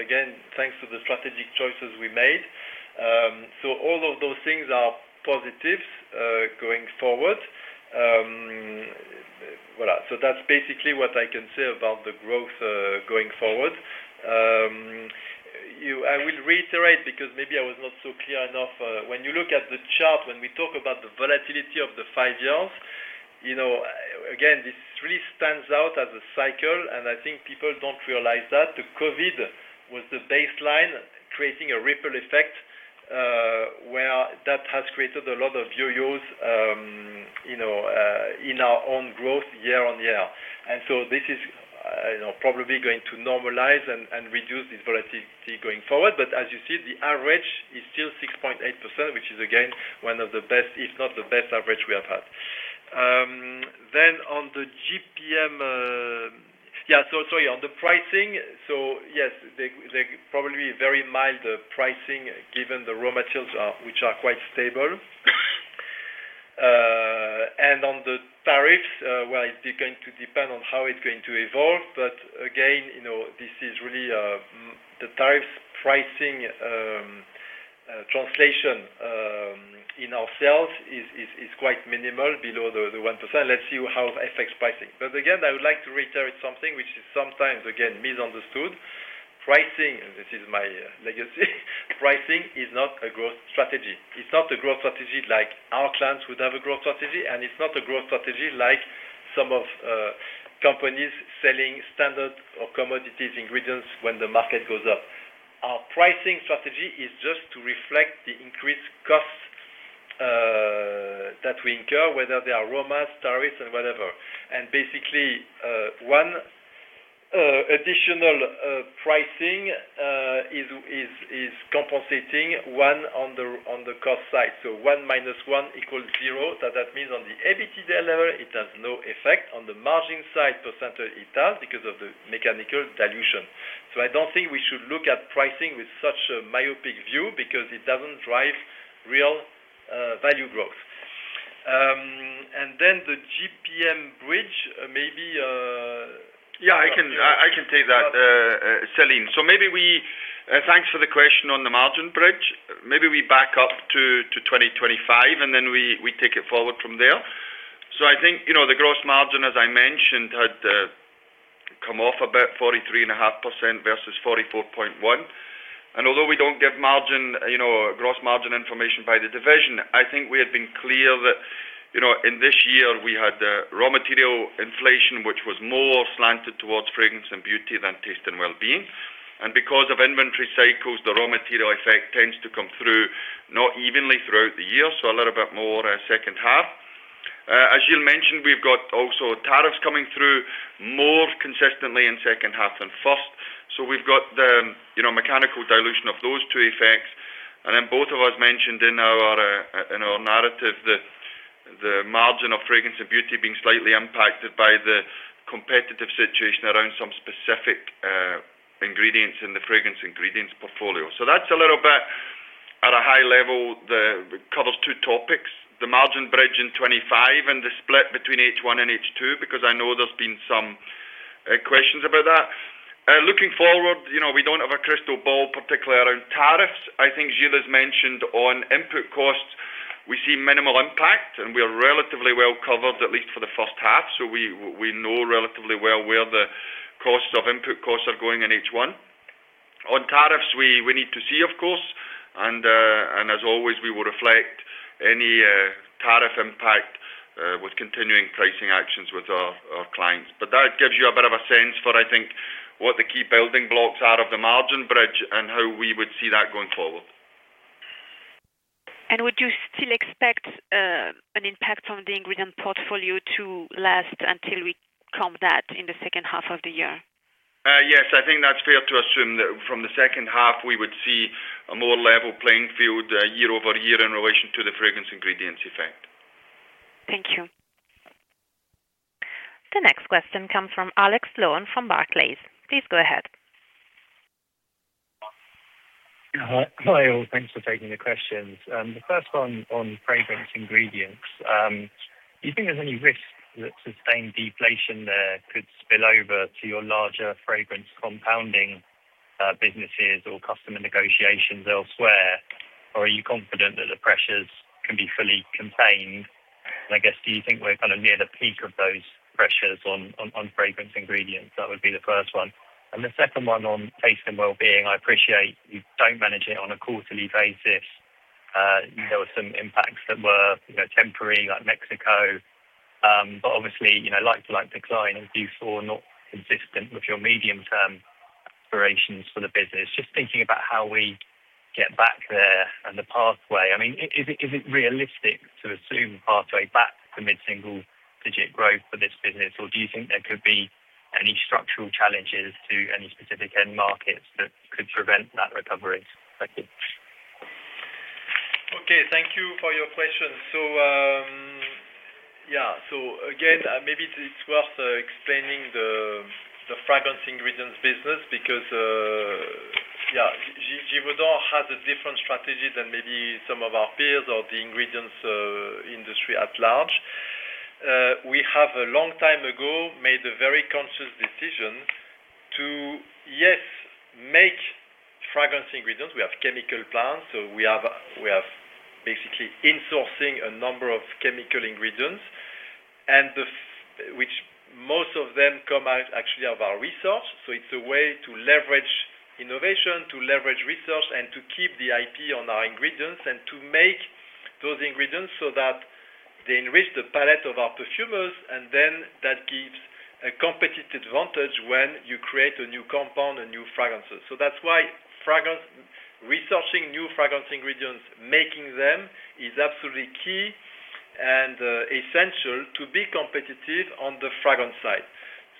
again, thanks to the strategic choices we made. So all of those things are positives, going forward. Voilà. So that's basically what I can say about the growth, going forward. You—I will reiterate, because maybe I was not so clear enough, when you look at the chart, when we talk about the volatility of the five years, you know, again, this really stands out as a cycle, and I think people don't realize that. The COVID was the baseline, creating a ripple effect, where that has created a lot of yo-yos, you know, in our own growth year-on-year. So this is, you know, probably going to normalize and reduce this volatility going forward. But as you see, the average is still 6.8%, which is, again, one of the best, if not the best average we have had. Then on the GPM. Yeah, so sorry, on the pricing. So yes, they probably very mild pricing, given the raw materials are, which are quite stable. And on the tariffs, well, it's going to depend on how it's going to evolve. But again, you know, this is really the tariffs pricing translation in our sales is quite minimal, below the 1%. Let's see how it affects pricing. But again, I would like to reiterate something which is sometimes, again, misunderstood. Pricing, this is my legacy, pricing is not a growth strategy. It's not a growth strategy like our clients would have a growth strategy, and it's not a growth strategy like some of companies selling standard or commodities ingredients when the market goes up. Our pricing strategy is just to reflect the increased costs that we incur, whether they are raw materials, tariffs or whatever. And basically, one additional pricing is compensating one on the cost side. So one minus one equals zero. So that means on the EBITDA level, it has no effect. On the margin side percentage, it does, because of the mechanical dilution. So I don't think we should look at pricing with such a myopic view because it doesn't drive real value growth. And then the GPM bridge, maybe. Yeah, I can, I can take that, Celine. So maybe we... Thanks for the question on the margin bridge. Maybe we back up to 2025, and then we, we take it forward from there. So I think, you know, the gross margin, as I mentioned, had come off about 43.5% versus 44.1%. And although we don't give margin, you know, gross margin information by the division, I think we have been clear that, you know, in this year we had raw material inflation, which was more slanted towards Fragrance & Beauty than Taste & Wellbeing. And because of inventory cycles, the raw material effect tends to come through not evenly throughout the year, so a little bit more second half. As you mentioned, we've got also tariffs coming through more consistently in second half than first. So we've got the, you know, mechanical dilution of those two effects. And then both of us mentioned in our, in our narrative, the margin of Fragrance & Beauty being slightly impacted by the competitive situation around some specific ingredients in the fragrance ingredients portfolio. So that's a little bit at a high level, it covers two topics, the margin bridge in 2025 and the split between H1 and H2, because I know there's been some questions about that. Looking forward, you know, we don't have a crystal ball, particularly around tariffs. I think Gilles has mentioned on input costs, we see minimal impact, and we are relatively well covered, at least for the first half. So we know relatively well where the costs of input costs are going in H1. On tariffs, we need to see, of course, and as always, we will reflect any tariff impact with continuing pricing actions with our clients. But that gives you a bit of a sense for, I think, what the key building blocks are of the margin bridge and how we would see that going forward. Would you still expect an impact on the ingredient portfolio to last until we calm that in the second half of the year? Yes, I think that's fair to assume that from the second half, we would see a more level playing field year-over-year in relation to the fragrance ingredients effect. Thank you. The next question comes from Alex Sloane from Barclays. Please go ahead. Hi, all. Thanks for taking the questions. The first one on fragrance ingredients. Do you think there's any risk that sustained deflation there could spill over to your larger fragrance compounding businesses or customer negotiations elsewhere? Or are you confident that the pressures can be fully contained? And I guess, do you think we're kind of near the peak of those pressures on fragrance ingredients? That would be the first one, and the second one on Taste & Wellbeing. I appreciate you don't manage it on a quarterly basis. There were some impacts that were, you know, temporary, like Mexico, but obviously, you know, like to like decline and do so, not consistent with your medium-term aspirations for the business. Just thinking about how we get back there and the pathway. I mean, is it, is it realistic to assume a pathway back to mid-single digit growth for this business? Or do you think there could be any structural challenges to any specific end markets that could prevent that recovery? Thank you. Okay, thank you for your question. So again, maybe it's worth explaining the fragrance ingredients business because Givaudan has a different strategy than maybe some of our peers or the ingredients industry at large. We have a long time ago made a very conscious decision to, yes, make fragrance ingredients. We have chemical plants, so we basically insourcing a number of chemical ingredients, and which most of them come out actually of our research. So it's a way to leverage innovation, to leverage research, and to keep the IP on our ingredients, and to make those ingredients so that they enrich the palette of our perfumers, and then that gives a competitive advantage when you create a new compound, a new fragrances. So that's why fragrance, researching new fragrance ingredients, making them, is absolutely key and essential to be competitive on the fragrance side.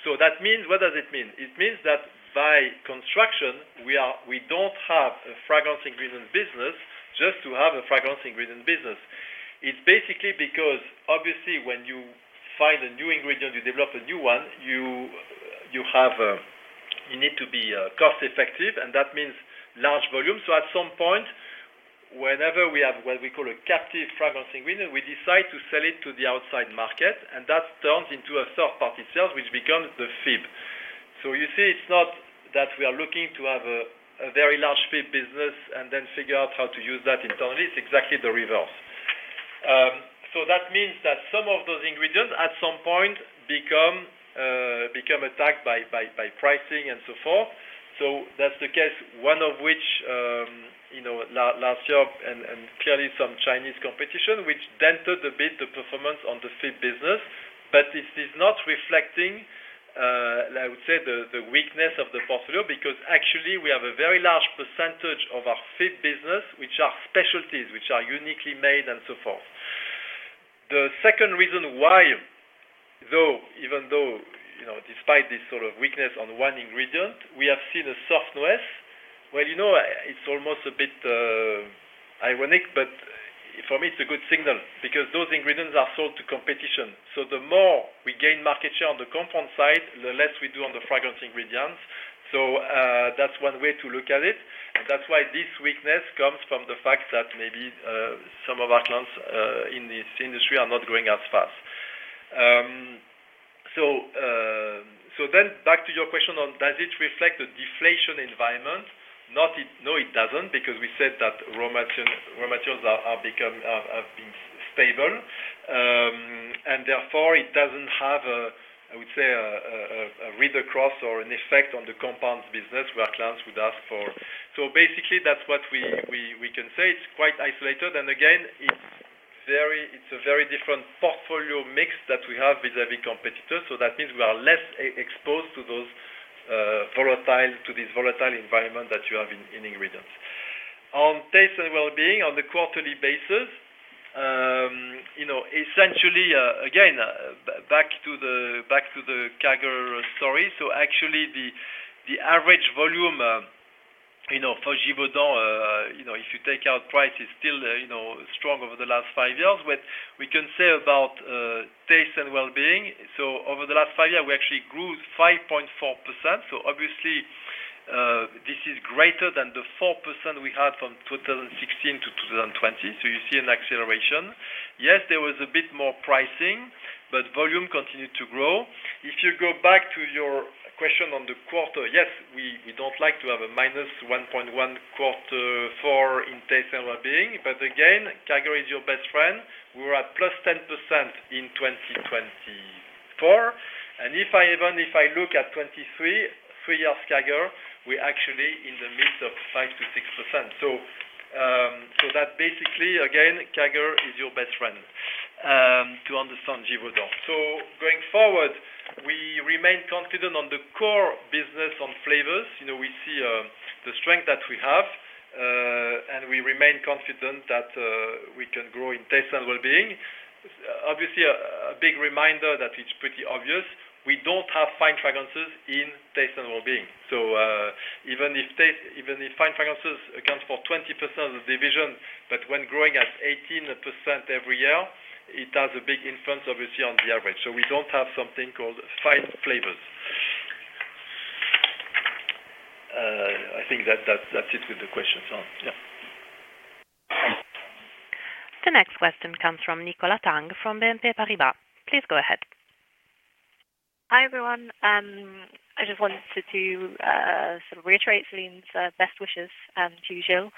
So that means, what does it mean? It means that by construction, we are, we don't have a fragrance ingredient business just to have a fragrance ingredient business. It's basically because obviously when you find a new ingredient, you develop a new one, you have, you need to be cost-effective, and that means large volume. So at some point, whenever we have what we call a captive fragrance ingredient, we decide to sell it to the outside market, and that turns into a third-party sales, which becomes the FIB. So you see, it's not that we are looking to have a very large FIB business and then figure out how to use that internally. It's exactly the reverse. So that means that some of those ingredients at some point become attacked by pricing and so forth. So that's the case, one of which, you know, last year, and clearly some Chinese competition, which dented a bit the performance on the FIB business, but this is not reflecting, I would say, the weakness of the portfolio, because actually we have a very large percentage of our FIB business, which are specialties, which are uniquely made and so forth. The second reason why, though, even though, you know, despite this sort of weakness on one ingredient, we have seen a softness. Well, you know, it's almost a bit ironic, but for me it's a good signal because those ingredients are sold to competition. So the more we gain market share on the compound side, the less we do on the fragrance ingredients. So, that's one way to look at it. That's why this weakness comes from the fact that maybe some of our clients in this industry are not growing as fast. So then back to your question on does it reflect a deflation environment? No, it doesn't, because we said that raw materials are being stable. And therefore, it doesn't have a, I would say, read across or an effect on the compounds business where clients would ask for. So basically, that's what we can say. It's quite isolated, and again, it's a very different portfolio mix that we have vis-a-vis competitors. So that means we are less exposed to those, volatile, to this volatile environment that you have in ingredients. On Taste & Wellbeing on the quarterly basis, you know, essentially, again, back to the, back to the CAGR story. So actually the, the average volume, you know, for Givaudan, you know, if you take out price, is still, you know, strong over the last five years. But we can say about, Taste & Wellbeing, so over the last five years, we actually grew 5.4%. So obviously, this is greater than the 4% we had from 2016 to 2020. So you see an acceleration. Yes, there was a bit more pricing, but volume continued to grow. If you go back to your question on the quarter, yes, we don't like to have a -1.1 Q4 in Taste & Wellbeing, but again, CAGR is your best friend. We were at +10% in 2024, and if I even if I look at 2023, 3-year CAGR, we're actually in the midst of 5% to 6%. So, so that basically, again, CAGR is your best friend, to understand Givaudan. So going forward, we remain confident on the core business on flavors. You know, we see the strength that we have, and we remain confident that we can grow in Taste & Wellbeing. Obviously, a big reminder that it's pretty obvious, we don't have Fine Fragrances in Taste & Wellbeing. So, even if taste, even if fine fragrances accounts for 20% of the division, but when growing at 18% every year, it has a big influence, obviously, on the average. So we don't have something called fine flavors. I think that, that's it with the questions. So yeah. The next question comes from Nicola Tang from BNP Paribas. Please go ahead. Hi, everyone. I just wanted to sort of reiterate Celine's best wishes, as usual.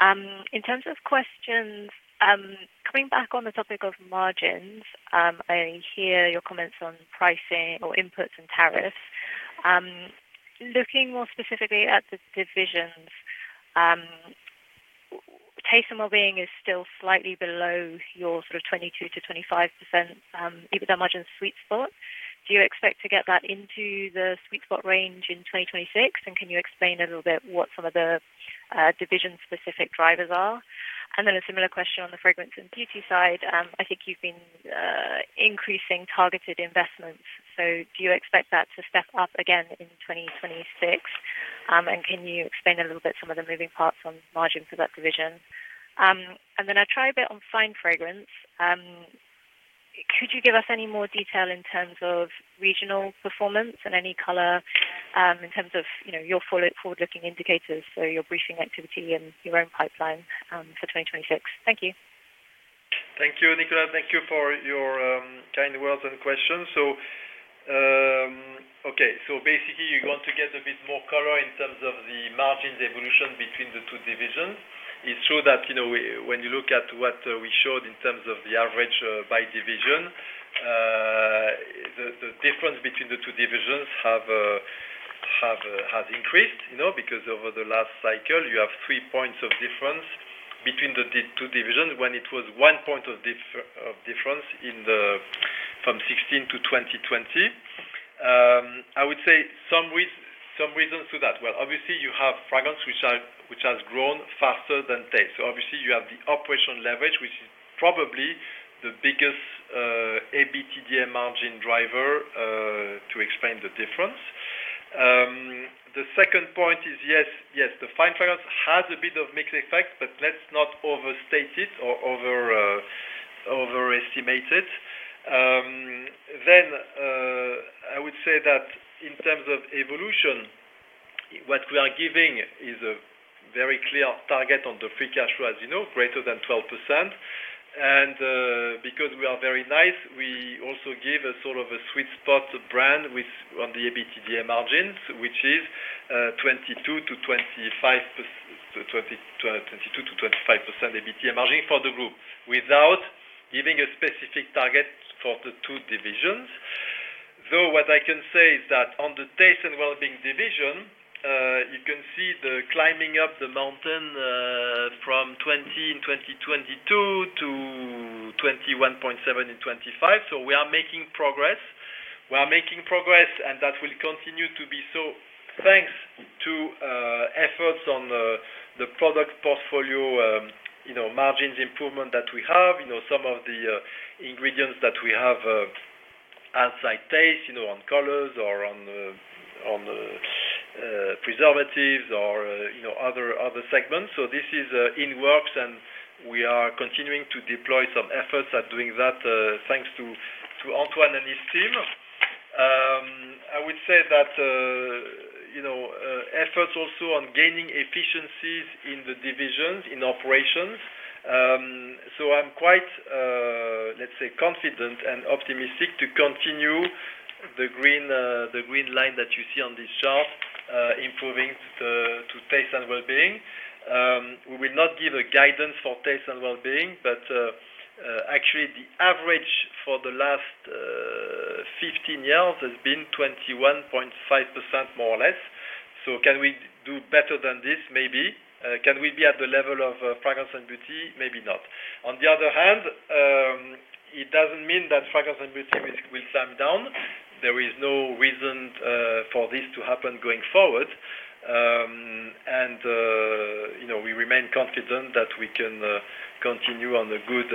In terms of questions, coming back on the topic of margins, I hear your comments on pricing or inputs and tariffs. Looking more specifically at the divisions, Taste & Wellbeing is still slightly below your sort of 22% to 25% EBITDA margin sweet spot. Do you expect to get that into the sweet spot range in 2026? And can you explain a little bit what some of the division-specific drivers are? And then a similar question on the Fragrance & Beauty side. I think you've been increasing targeted investments, so do you expect that to step up again in 2026? And can you explain a little bit some of the moving parts on margin for that division? And then I try a bit on fine fragrance. Could you give us any more detail in terms of regional performance and any color, in terms of, you know, your forward-looking indicators, so your briefing activity and your own pipeline, for 2026? Thank you. Thank you, Nicola. Thank you for your kind words and questions. So, basically, you want to get a bit more color in terms of the margins evolution between the two divisions. It's true that, you know, when you look at what we showed in terms of the average by division, the difference between the two divisions has increased, you know, because over the last cycle, you have 3 points of difference between the two divisions when it was 1 point of difference from 2016 to 2020. I would say some reasons to that. Well, obviously, you have fragrance, which has grown faster than taste. So obviously, you have the operational leverage, which is probably the biggest EBITDA margin driver to explain the difference. The second point is, yes, yes, the fine fragrance has a bit of mixed effect, but let's not overstate it or over, overestimate it. Then, I would say that in terms of evolution, what we are giving is a very clear target on the free cash flow, as you know, greater than 12%. And, because we are very nice, we also give a sort of a sweet spot brand with, on the EBITDA margins, which is, twenty-two to twenty-five percent EBITDA margin for the group, without giving a specific target for the two divisions. Though, what I can say is that on the Taste & Wellbeing division, you can see the climbing up the mountain, from 20 in 2022 to 21.7 in 2025. So we are making progress. We are making progress, and that will continue to be so, thanks to efforts on the, the product portfolio, you know, margins improvement that we have, you know, some of the ingredients that we have outside taste, you know, on colors or on the, on the preservatives or, you know, other, other segments. So this is in works, and we are continuing to deploy some efforts at doing that, thanks to to Antoine and his team. I would say that, you know, efforts also on gaining efficiencies in the divisions, in operations. So I'm quite, let's say, confident and optimistic to continue the green, the green line that you see on this chart, improving the, to taste and wellbeing. We will not give a guidance for taste and wellbeing, but, actually, the average for the last 15 years has been 21.5%, more or less. So can we do better than this? Maybe. Can we be at the level of Fragrance & Beauty? Maybe not. On the other hand, it doesn't mean that Fragrance and Beauty will, will slam down. There is no reason for this to happen going forward. And, you know, we remain confident that we can continue on the good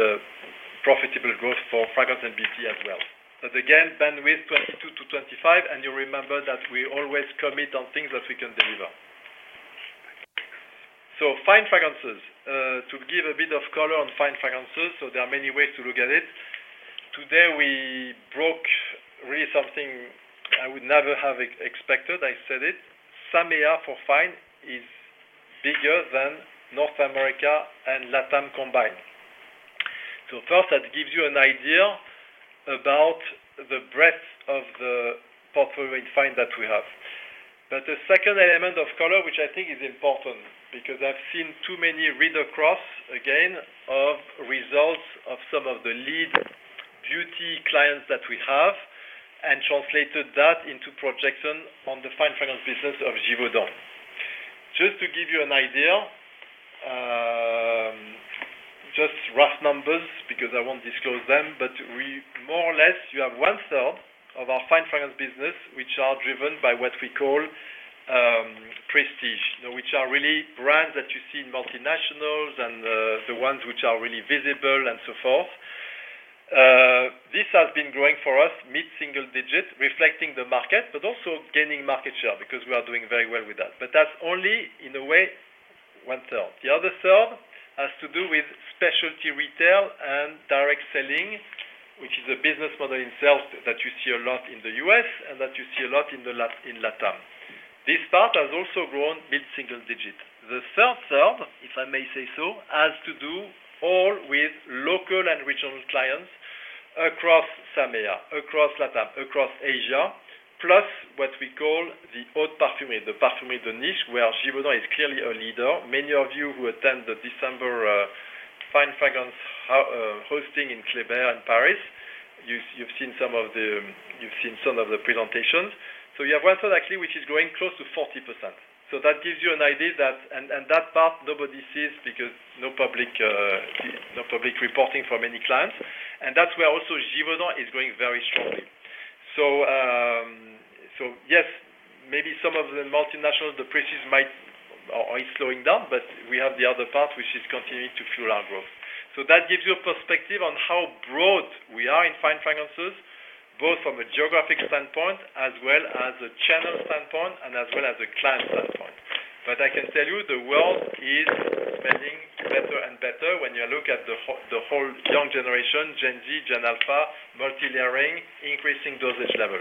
profitable growth for Fragrance & Beauty as well. But again, bandwidth 22 to 25, and you remember that we always commit on things that we can deliver.... So fine fragrances. To give a bit of color on fine fragrances, so there are many ways to look at it. Today, we broke really something I would never have expected. I said it, SAMEA for fine is bigger than North America and Latam combined. So first, that gives you an idea about the breadth of the portfolio in fine that we have. But the second element of Kolor, which I think is important because I've seen too many read across, again, of results of some of the leading beauty clients that we have, and translated that into projections on the fine fragrance business of Givaudan. Just to give you an idea, just rough numbers, because I won't disclose them, but we more or less have one third of our fine fragrance business, which are driven by what we call prestige, which are really brands that you see in multinationals and the ones which are really visible and so forth. This has been growing for us mid-single digit, reflecting the market, but also gaining market share, because we are doing very well with that. But that's only in a way, one third. The other third has to do with specialty retail and direct selling, which is a business model in itself that you see a lot in the U.S. and that you see a lot in Latam. This part has also grown mid-single digit. The third third, if I may say so, has to do all with local and regional clients across SAMEA, across Latam, across Asia, plus what we call the Haute Parfumerie, the Parfumerie de Niche, where Givaudan is clearly a leader. Many of you who attend the December fine fragrance hosting in Kléber in Paris, you've seen some of the presentations. So you have one third, actually, which is growing close to 40%. So that gives you an idea that... And, and that part, nobody sees because no public, no public reporting from many clients. And that's where also Givaudan is growing very strongly. So, so yes, maybe some of the multinationals, the prices might or is slowing down, but we have the other part, which is continuing to fuel our growth. So that gives you a perspective on how broad we are in fine fragrances, both from a geographic standpoint as well as a channel standpoint and as well as a client standpoint. But I can tell you, the world is spending better and better when you look at the whole, the whole young generation, Gen Z, Gen Alpha, multilayering, increasing dosage level.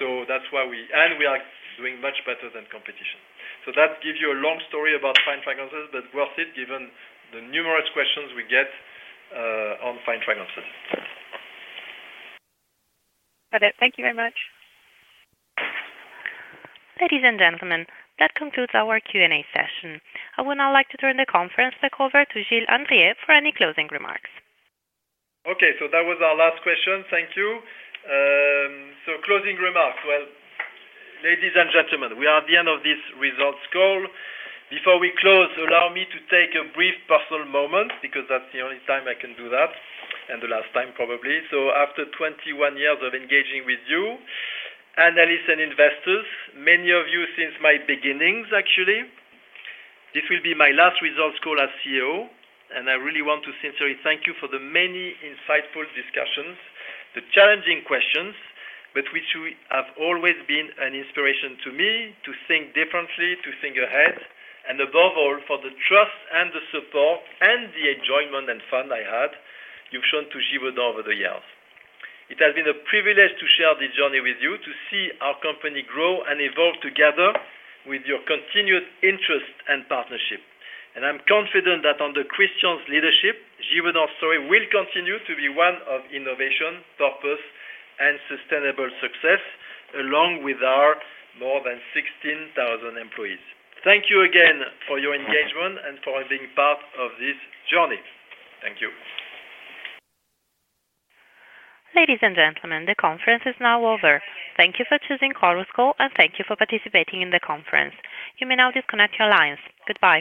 So that's why we-- and we are doing much better than competition. So that gives you a long story about fine fragrances, but worth it, given the numerous questions we get on fine fragrances. Thank you very much. Ladies and gentlemen, that concludes our Q&A session. I would now like to turn the conference back over to Gilles Andrier, for any closing remarks. Okay, so that was our last question. Thank you. So closing remarks. Well, ladies and gentlemen, we are at the end of this results call. Before we close, allow me to take a brief personal moment, because that's the only time I can do that, and the last time, probably. So after 21 years of engaging with you, analysts and investors, many of you since my beginnings, actually, this will be my last results call as CEO, and I really want to sincerely thank you for the many insightful discussions, the challenging questions, but which you have always been an inspiration to me to think differently, to think ahead, and above all, for the trust and the support and the enjoyment and fun I had, you've shown to Givaudan over the years. It has been a privilege to share this journey with you, to see our company grow and evolve together with your continued interest and partnership. I'm confident that under Christian's leadership, Givaudan's story will continue to be one of innovation, purpose, and sustainable success, along with our more than 16,000 employees. Thank you again for your engagement and for being part of this journey. Thank you. Ladies and gentlemen, the conference is now over. Thank you for choosing Chorus Call, and thank you for participating in the conference. You may now disconnect your lines. Goodbye.